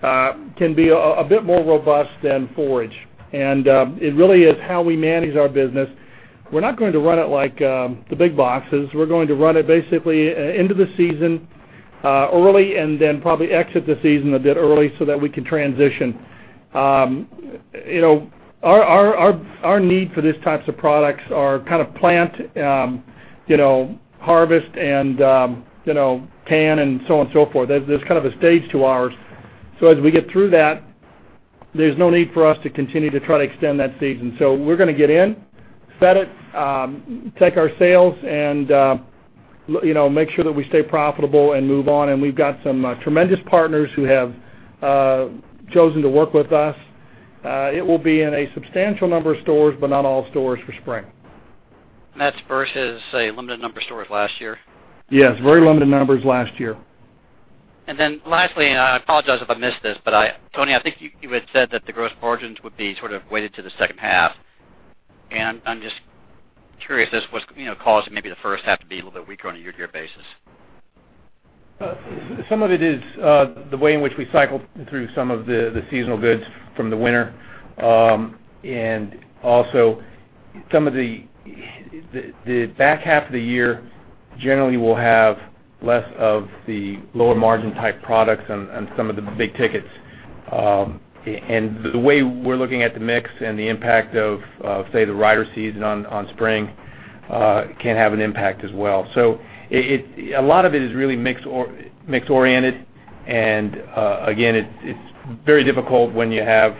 can be a bit more robust than forage. It really is how we manage our business. We're not going to run it like the big boxes. We're going to run it basically into the season early and then probably exit the season a bit early so that we can transition. Our need for these types of products are plant, harvest and tend and so on and so forth. There's kind of a stage to ours. As we get through that, there's no need for us to continue to try to extend that season. We're going to get in, set it, take our sales and make sure that we stay profitable and move on. We've got some tremendous partners who have chosen to work with us. It will be in a substantial number of stores, but not all stores for spring. That's versus, say, limited number of stores last year? Yes, very limited numbers last year. Lastly, I apologize if I missed this, Tony Crudele, I think you had said that the gross margins would be sort of weighted to the second half. I'm just curious as what's causing maybe the first half to be a little bit weaker on a year-to-year basis. Some of it is the way in which we cycle through some of the seasonal goods from the winter. Also some of the back half of the year generally will have less of the lower margin type products and some of the big tickets. The way we're looking at the mix and the impact of, say, the rider season on spring can have an impact as well. A lot of it is really mix-oriented. Again, it's very difficult when you have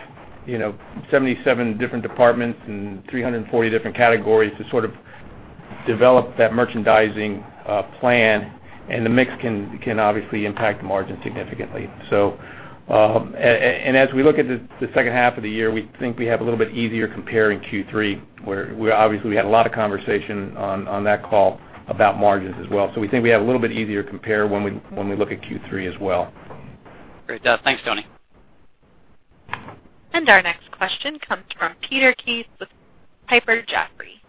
77 different departments and 340 different categories to sort of develop that merchandising plan, the mix can obviously impact the margin significantly. As we look at the second half of the year, we think we have a little bit easier compare in Q3, where obviously we had a lot of conversation on that call about margins as well. We think we have a little bit easier compare when we look at Q3 as well. Great. Thanks, Tony. Our next question comes from Peter Keith with Piper Jaffray.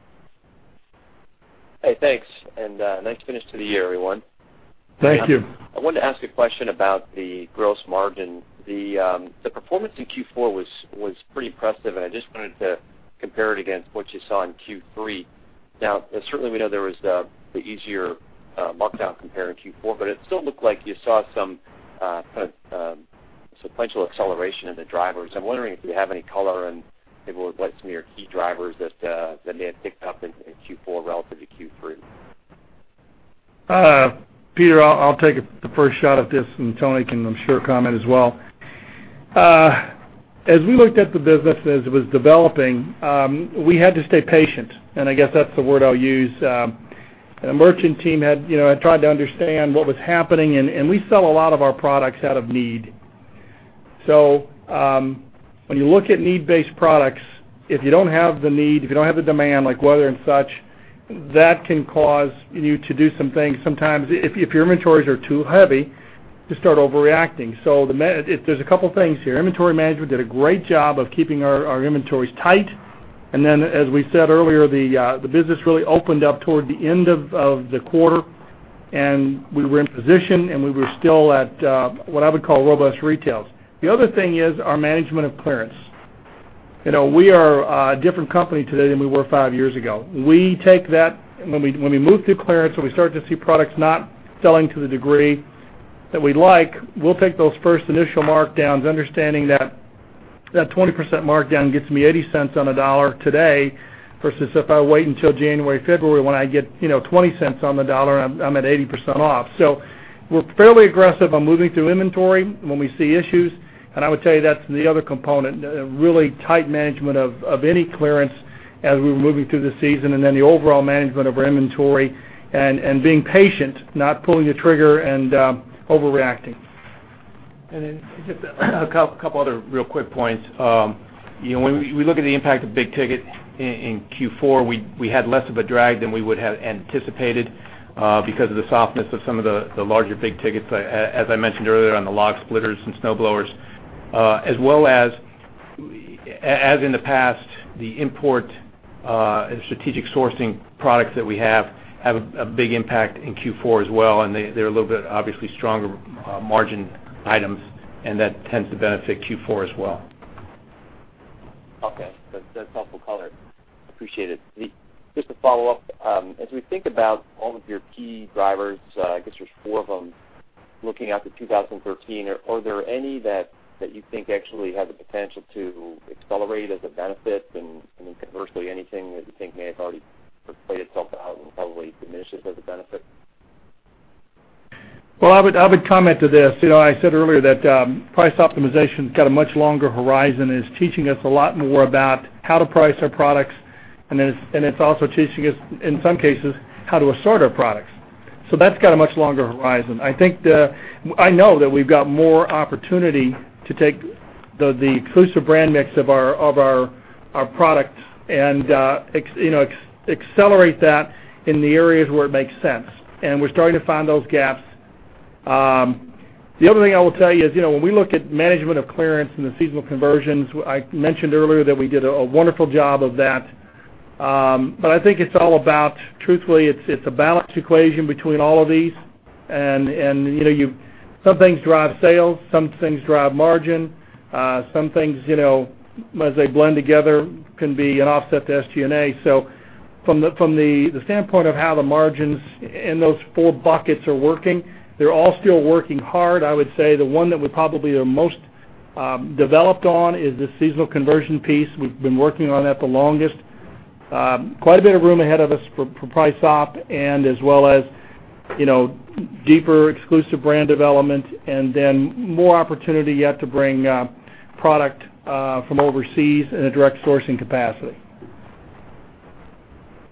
Hey, thanks and nice finish to the year, everyone. Thank you. I wanted to ask a question about the gross margin. The performance in Q4 was pretty impressive, certainly we know there was the easier markdown compare in Q4, it still looked like you saw some kind of sequential acceleration in the drivers. I'm wondering if you have any color and maybe what some of your key drivers that may have picked up in Q4 relative to Q3. Peter, I'll take the first shot at this, Tony can, I'm sure, comment as well. As we looked at the business as it was developing, we had to stay patient, I guess that's the word I'll use. The merchant team had tried to understand what was happening, we sell a lot of our products out of need. When you look at need-based products, if you don't have the need, if you don't have the demand, like weather and such, that can cause you to do some things. Sometimes if your inventories are too heavy, you start overreacting. There's a couple things here. Inventory management did a great job of keeping our inventories tight. As we said earlier, the business really opened up toward the end of the quarter, we were in position, we were still at what I would call robust retails. The other thing is our management of clearance. We are a different company today than we were five years ago. When we move through clearance or we start to see products not selling to the degree that we'd like, we'll take those first initial markdowns, understanding that 20% markdown gets me $0.80 on a dollar today versus if I wait until January, February, when I get $0.20 on the dollar and I'm at 80% off. We're fairly aggressive on moving through inventory when we see issues. I would tell you that's the other component, really tight management of any clearance as we were moving through the season, and then the overall management of our inventory and being patient, not pulling the trigger and overreacting. Just a couple other real quick points. When we look at the impact of big ticket in Q4, we had less of a drag than we would have anticipated because of the softness of some of the larger big tickets, as I mentioned earlier, on the log splitters and snowblowers. As well as in the past, the import and strategic sourcing products that we have have a big impact in Q4 as well, and they're a little bit, obviously, stronger margin items, and that tends to benefit Q4 as well. Okay. That's helpful color. Appreciate it. Just to follow up, as we think about all of your key drivers, I guess there's four of them. Looking out to 2013, are there any that you think actually have the potential to accelerate as a benefit? Conversely, anything that you think may have already played itself out and will probably diminish as a benefit? Well, I would comment to this. I said earlier that price optimization's got a much longer horizon and is teaching us a lot more about how to price our products, and it's also teaching us, in some cases, how to assort our products. That's got a much longer horizon. I know that we've got more opportunity to take the exclusive brand mix of our product and accelerate that in the areas where it makes sense. We're starting to find those gaps. The other thing I will tell you is, when we look at management of clearance and the seasonal conversions, I mentioned earlier that we did a wonderful job of that. I think it's all about, truthfully, it's a balanced equation between all of these. Some things drive sales, some things drive margin. Some things, as they blend together, can be an offset to SG&A. From the standpoint of how the margins in those four buckets are working, they're all still working hard. I would say the one that we're probably the most developed on is the seasonal conversion piece. We've been working on that the longest. Quite a bit of room ahead of us for price op and as well as deeper exclusive brand development, and then more opportunity yet to bring product from overseas in a direct sourcing capacity.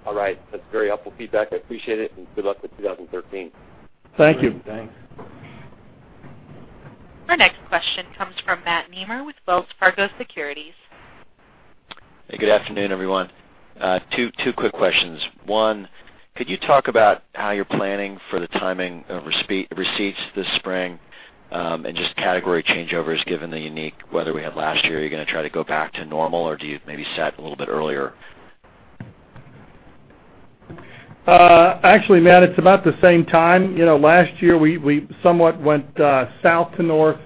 All right. That's very helpful feedback. I appreciate it, and good luck with 2013. Thank you. Great. Thanks. Our next question comes from Matt Nemer with Wells Fargo Securities. Hey, good afternoon, everyone. Two quick questions. One, could you talk about how you're planning for the timing of receipts this spring, and just category changeovers given the unique weather we had last year? Are you going to try to go back to normal, or do you maybe set a little bit earlier? Actually, Matt, it's about the same time. Last year, we somewhat went south to north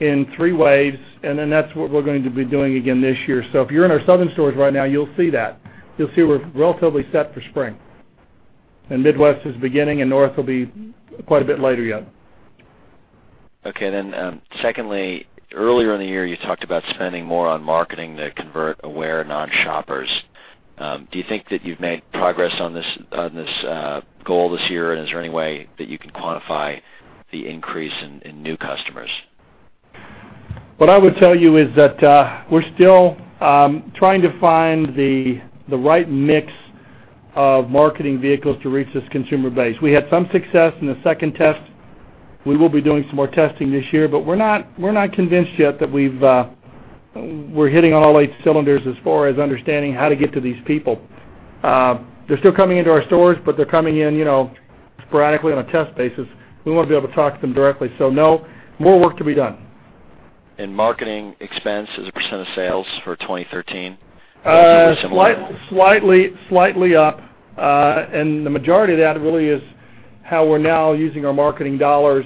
in three waves. That's what we're going to be doing again this year. If you're in our southern stores right now, you'll see that. You'll see we're relatively set for spring. Midwest is beginning, and north will be quite a bit later, yeah. Okay. Secondly, earlier in the year, you talked about spending more on marketing to convert aware non-shoppers. Do you think that you've made progress on this goal this year, and is there any way that you can quantify the increase in new customers? What I would tell you is that we're still trying to find the right mix of marketing vehicles to reach this consumer base. We had some success in the second test. We will be doing some more testing this year, but we're not convinced yet that we're hitting on all eight cylinders as far as understanding how to get to these people. They're still coming into our stores, but they're coming in sporadically on a test basis. We want to be able to talk to them directly. No, more work to be done. Marketing expense as a % of sales for 2013? Will it be similar? Slightly up. The majority of that really is how we're now using our marketing dollars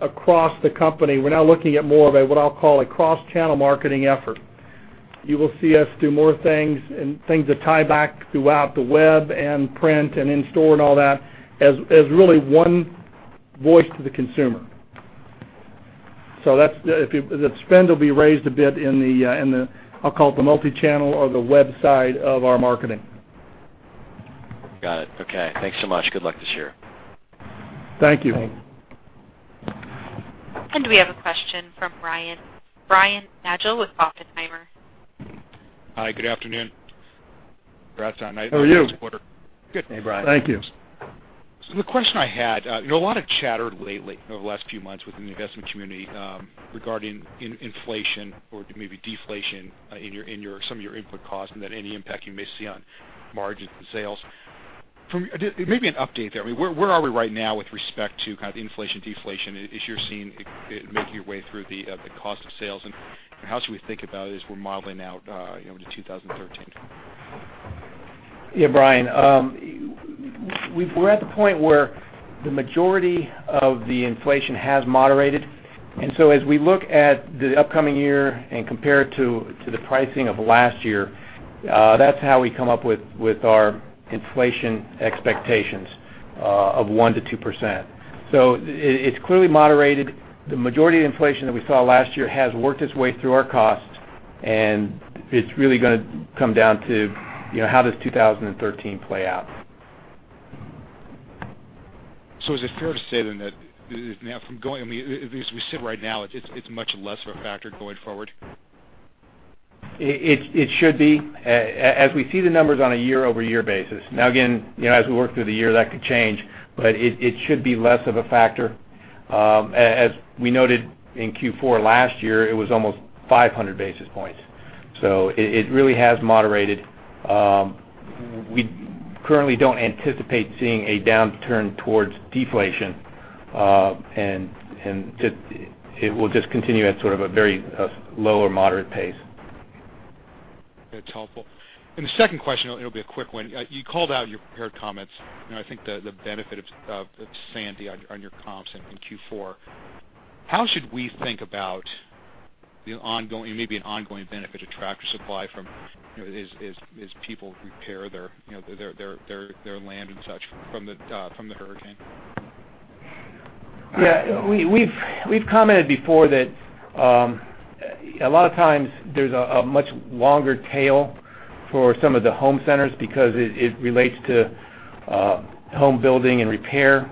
across the company. We're now looking at more of a, what I'll call, a cross-channel marketing effort. You will see us do more things and things that tie back throughout the web and print and in-store and all that as really one voice to the consumer. The spend will be raised a bit in the, I'll call it, the multi-channel or the web side of our marketing. Got it. Okay. Thanks so much. Good luck this year. Thank you. Thanks. We have a question from Brian Nagel with Oppenheimer. Hi, good afternoon. Congrats on. How are you? nice quarter. Good. Hey, Brian. Thank you. The question I had, a lot of chatter lately over the last few months within the investment community regarding inflation or maybe deflation in some of your input costs and that any impact you may see on margin sales. Maybe an update there. Where are we right now with respect to inflation, deflation? Is your team making your way through the cost of sales? How should we think about it as we're modeling out into 2013? Brian, We're at the point where the majority of the inflation has moderated. As we look at the upcoming year and compare it to the pricing of last year, that's how we come up with our inflation expectations of 1%-2%. It's clearly moderated. The majority of inflation that we saw last year has worked its way through our costs, and it's really going to come down to how does 2013 play out. Is it fair to say then that, as we sit right now, it's much less of a factor going forward? It should be. As we see the numbers on a year-over-year basis. Now again, as we work through the year, that could change, but it should be less of a factor. As we noted in Q4 last year, it was almost 500 basis points. It really has moderated. We currently don't anticipate seeing a downturn towards deflation. It will just continue at sort of a very low or moderate pace. That's helpful. The second question, it'll be a quick one. You called out in your prepared comments, I think, the benefit of Sandy on your comps in Q4. How should we think about maybe an ongoing benefit to Tractor Supply as people repair their land and such from the hurricane? Yeah. We've commented before that a lot of times there's a much longer tail for some of the home centers because it relates to home building and repair.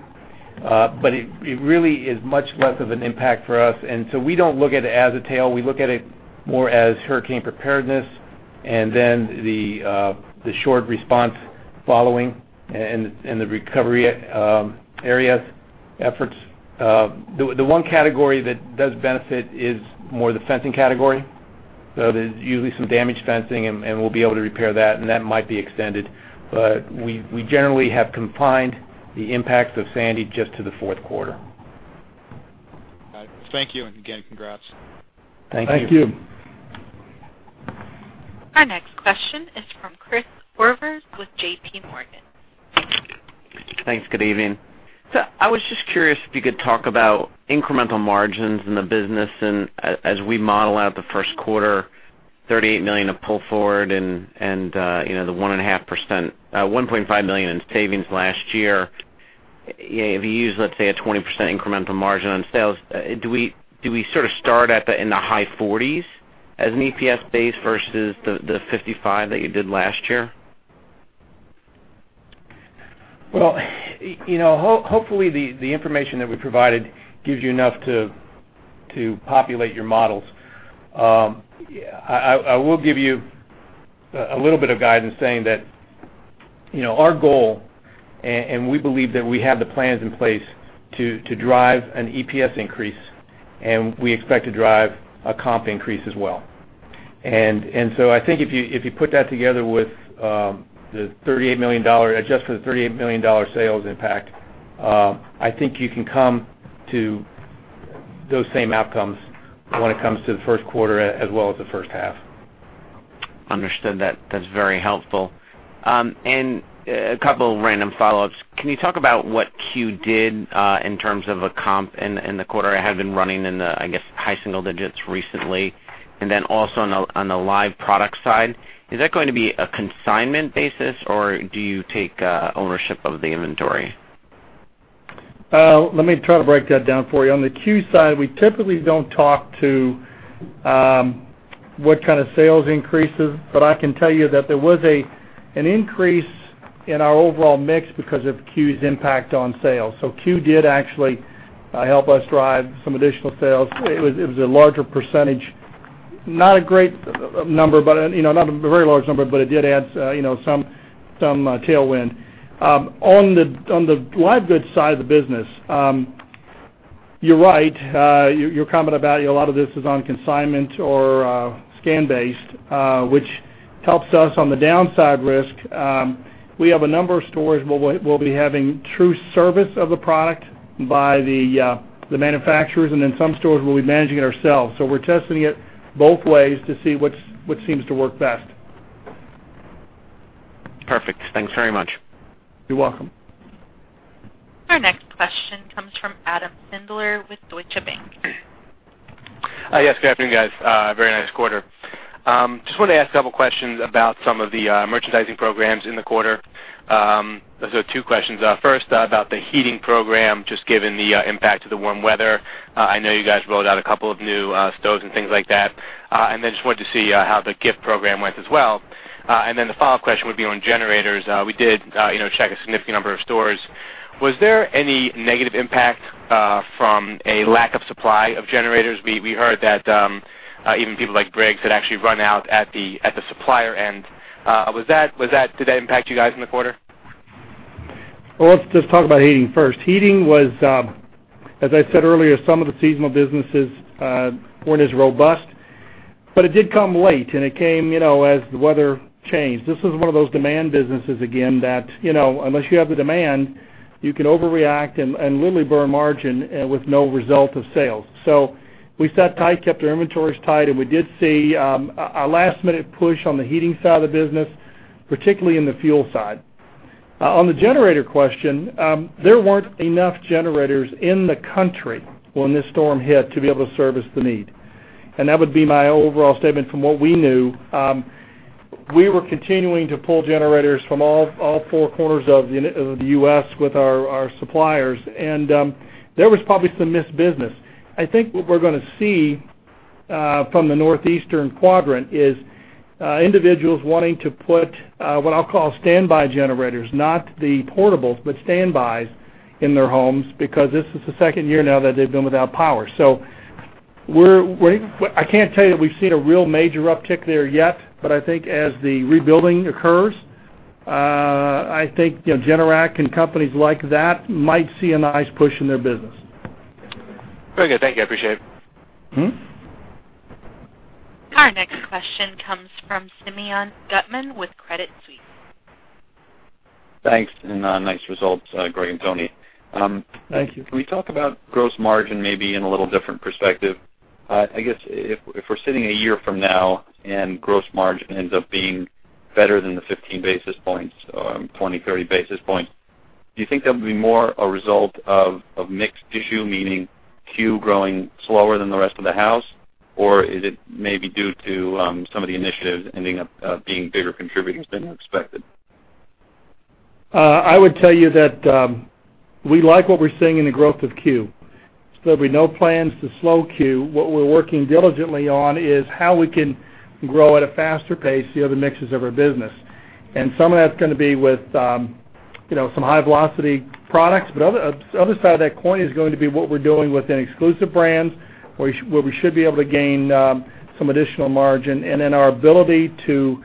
It really is much less of an impact for us. We don't look at it as a tail. We look at it more as hurricane preparedness and then the short response following and the recovery areas efforts. The one category that does benefit is more the fencing category. There's usually some damaged fencing. We'll be able to repair that, and that might be extended. We generally have confined the impacts of Sandy just to the fourth quarter. All right. Thank you, again, congrats. Thank you. Thank you. Our next question is from Christopher Horvers with JPMorgan. Thanks. Good evening. I was just curious if you could talk about incremental margins in the business and as we model out the first quarter, $38 million of pull forward and the $1.5 million in savings last year. If you use, let's say, a 20% incremental margin on sales, do we sort of start in the high 40s as an EPS base versus the 55 that you did last year? Well, hopefully, the information that we provided gives you enough to populate your models. I will give you a little bit of guidance saying that our goal, and we believe that we have the plans in place to drive an EPS increase, and we expect to drive a comp increase as well. I think if you put that together with adjusting for the $38 million sales impact, I think you can come to those same outcomes when it comes to the first quarter as well as the first half. Understood. That's very helpful. A couple of random follow-ups. Can you talk about what Q did in terms of a comp in the quarter? It had been running in the, I guess, high single digits recently. Then also on the live product side, is that going to be a consignment basis, or do you take ownership of the inventory? Let me try to break that down for you. On the Q side, we typically don't talk to what kind of sales increases, but I can tell you that there was an increase in our overall mix because of Q's impact on sales. Q did actually help us drive some additional sales. It was a larger percentage, not a very large number, but it did add some tailwind. On the live goods side of the business, you're right. You comment about a lot of this is on consignment or scan-based, which helps us on the downside risk. We have a number of stores where we'll be having true service of the product by the manufacturers, and then some stores we'll be managing it ourselves. We're testing it both ways to see what seems to work best. Perfect. Thanks very much. You're welcome. Our next question comes from Adam Sindler with Deutsche Bank. Yes, good afternoon, guys. Very nice quarter. Just wanted to ask a couple of questions about some of the merchandising programs in the quarter. Two questions. First, about the heating program, just given the impact of the warm weather. I know you guys rolled out a couple of new stoves and things like that. Just wanted to see how the gift program went as well. The follow-up question would be on generators. We did check a significant number of stores. Was there any negative impact from a lack of supply of generators? We heard that even people like Briggs had actually run out at the supplier end. Did that impact you guys in the quarter? Well, let's just talk about heating first. Heating was, as I said earlier, some of the seasonal businesses weren't as robust, but it did come late, and it came as the weather changed. This is one of those demand businesses, again, that unless you have the demand, you can overreact and literally burn margin with no result of sales. We sat tight, kept our inventories tight, and we did see a last-minute push on the heating side of the business, particularly in the fuel side. On the generator question, there weren't enough generators in the country when this storm hit to be able to service the need. That would be my overall statement from what we knew. We were continuing to pull generators from all four corners of the U.S. with our suppliers, and there was probably some missed business. I think what we're going to see from the northeastern quadrant is individuals wanting to put what I'll call standby generators, not the portables, but standbys in their homes because this is the second year now that they've been without power. I can't tell you that we've seen a real major uptick there yet, but I think as the rebuilding occurs, I think Generac and companies like that might see a nice push in their business. Very good. Thank you. I appreciate it. Our next question comes from Simeon Gutman with Credit Suisse. Thanks, nice results, Greg and Tony. Thank you. Can we talk about gross margin maybe in a little different perspective? I guess if we're sitting a year from now and gross margin ends up being better than the 15 basis points, 20, 30 basis points Do you think that would be more a result of mixed issue, meaning Q growing slower than the rest of the house? Or is it maybe due to some of the initiatives ending up being bigger contributors than you expected? I would tell you that we like what we're seeing in the growth of Q. There'll be no plans to slow Q. What we're working diligently on is how we can grow at a faster pace the other mixes of our business. Some of that's going to be with some high-velocity products, but the other side of that coin is going to be what we're doing within exclusive brands, where we should be able to gain some additional margin, then our ability to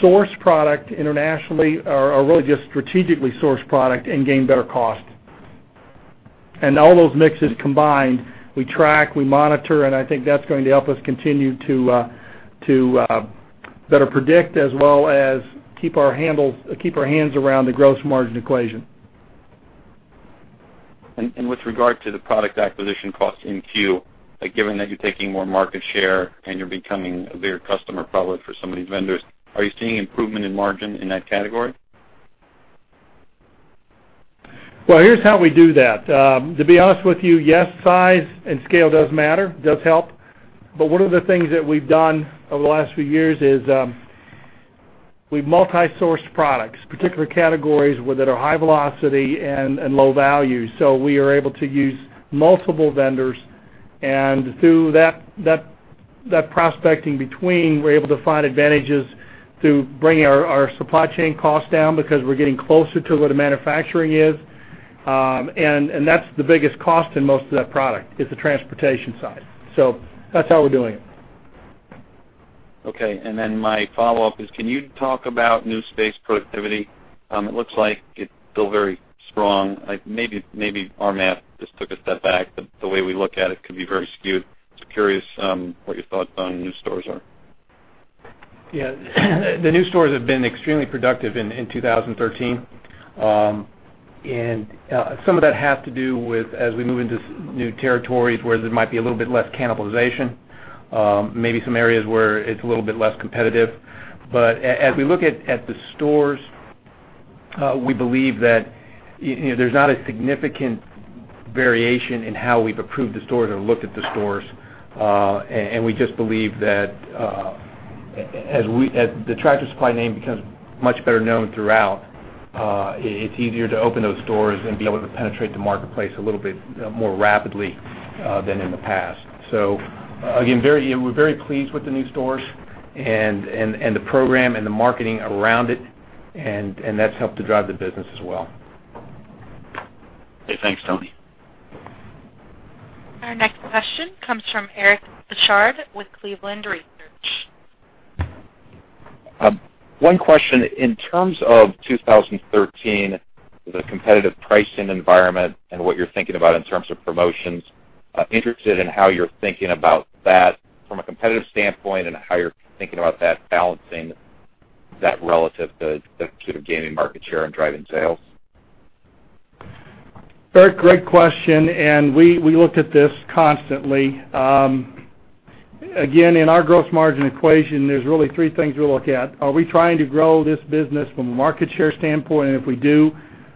source product internationally or really just strategically source product and gain better cost. All those mixes combined, we track, we monitor, and I think that's going to help us continue to better predict as well as keep our hands around the gross margin equation. With regard to the product acquisition cost in Q, given that you're taking more market share and you're becoming a bigger customer probably for some of these vendors, are you seeing improvement in margin in that category? Well, here's how we do that. To be honest with you, yes, size and scale does matter, does help. One of the things that we've done over the last few years is we multi-source products, particular categories that are high velocity and low value. We are able to use multiple vendors, and through that prospecting between, we're able to find advantages to bring our supply chain costs down because we're getting closer to where the manufacturing is. That's the biggest cost in most of that product, is the transportation side. That's how we're doing it. Okay. My follow-up is, can you talk about new space productivity? It looks like it's still very strong. Maybe our math just took a step back. The way we look at it could be very skewed. Just curious what your thoughts on new stores are. Yeah. The new stores have been extremely productive in 2013. Some of that has to do with as we move into new territories where there might be a little bit less cannibalization, maybe some areas where it's a little bit less competitive. As we look at the stores, we believe that there's not a significant variation in how we've approved the stores or looked at the stores. We just believe that as the Tractor Supply name becomes much better known throughout, it's easier to open those stores and be able to penetrate the marketplace a little bit more rapidly than in the past. Again, we're very pleased with the new stores and the program and the marketing around it, and that's helped to drive the business as well. Okay. Thanks, Tony Crudele. Our next question comes from Eric Bosshard with Cleveland Research. One question. In terms of 2013, the competitive pricing environment and what you're thinking about in terms of promotions, interested in how you're thinking about that from a competitive standpoint and how you're thinking about that balancing that relative to gaining market share and driving sales. Eric, great question. We look at this constantly. Again, in our gross margin equation, there's really three things we look at. Are we trying to grow this business from a market share standpoint? If we do,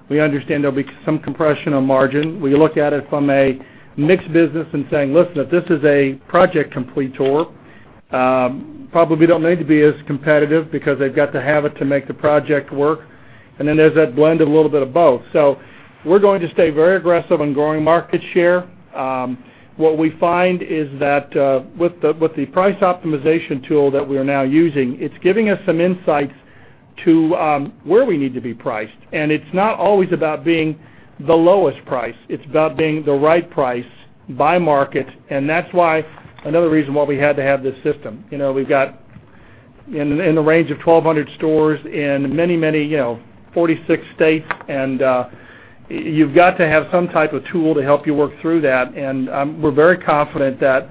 we understand there'll be some compression on margin. We look at it from a mixed business and saying, "Listen, if this is a project completer, probably don't need to be as competitive because they've got the habit to make the project work." There's that blend of a little bit of both. We're going to stay very aggressive on growing market share. What we find is that with the price optimization tool that we are now using, it's giving us some insights to where we need to be priced. It's not always about being the lowest price. It's about being the right price by market. That's another reason why we had to have this system. We've got in the range of 1,200 stores in many, 46 states. You've got to have some type of tool to help you work through that, and we're very confident that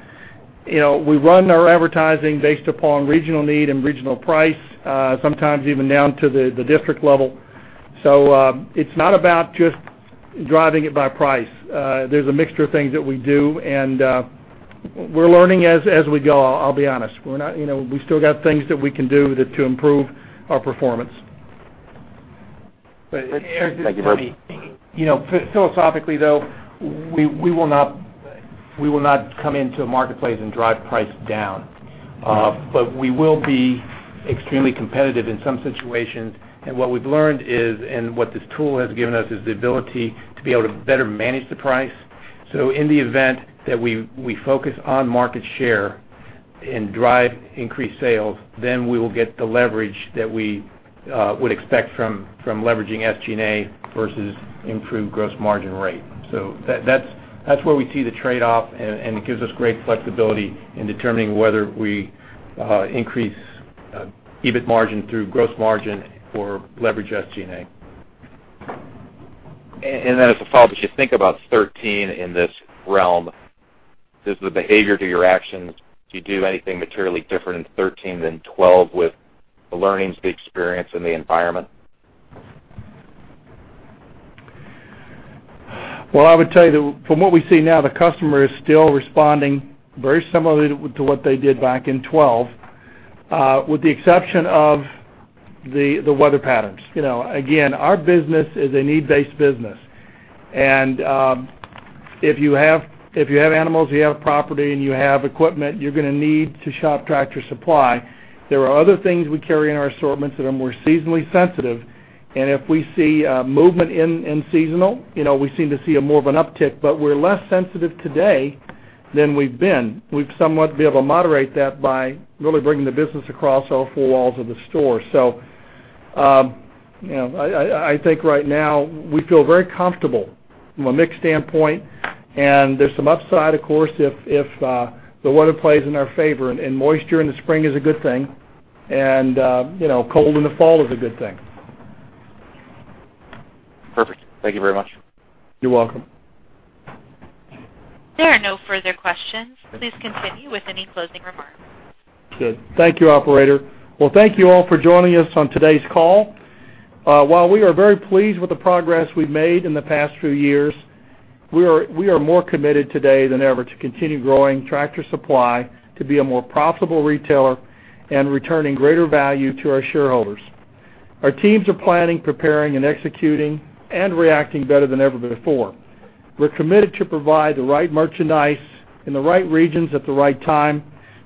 we run our advertising based upon regional need and regional price, sometimes even down to the district level. It's not about just driving it by price. There's a mixture of things that we do, and we're learning as we go, I'll be honest. We still got things that we can do to improve our performance. Eric, just let me- Thank you, Greg. Philosophically, though, we will not come into a marketplace and drive price down. We will be extremely competitive in some situations, and what we've learned is, and what this tool has given us, is the ability to be able to better manage the price. In the event that we focus on market share and drive increased sales, then we will get the leverage that we would expect from leveraging SG&A versus improved gross margin rate. That's where we see the trade-off, and it gives us great flexibility in determining whether we increase EBIT margin through gross margin or leverage SG&A. As a follow-up, as you think about 2013 in this realm, does the behavior to your actions, do you do anything materially different in 2013 than 2012 with the learnings, the experience, and the environment? Well, I would tell you that from what we see now, the customer is still responding very similarly to what they did back in 2012, with the exception of the weather patterns. Again, our business is a need-based business, and if you have animals, you have property, and you have equipment, you're going to need to shop Tractor Supply. There are other things we carry in our assortments that are more seasonally sensitive, and if we see movement in seasonal, we seem to see more of an uptick. We're less sensitive today than we've been. We've somewhat been able to moderate that by really bringing the business across all four walls of the store. I think right now we feel very comfortable from a mix standpoint, and there's some upside, of course, if the weather plays in our favor. Moisture in the spring is a good thing, and cold in the fall is a good thing. Perfect. Thank you very much. You're welcome. There are no further questions. Please continue with any closing remarks. Good. Thank you, operator. Well, thank you all for joining us on today's call. While we are very pleased with the progress we've made in the past few years, we are more committed today than ever to continue growing Tractor Supply to be a more profitable retailer and returning greater value to our shareholders. Our teams are planning, preparing, and executing, and reacting better than ever before. We're committed to provide the right merchandise in the right regions at the right time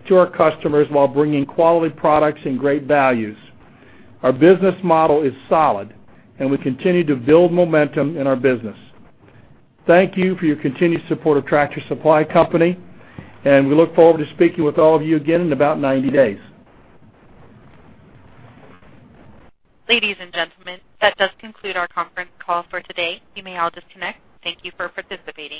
to our customers while bringing quality products and great values. Our business model is solid, and we continue to build momentum in our business. Thank you for your continued support of Tractor Supply Company, and we look forward to speaking with all of you again in about 90 days. Ladies and gentlemen, that does conclude our conference call for today. You may all disconnect. Thank you for participating.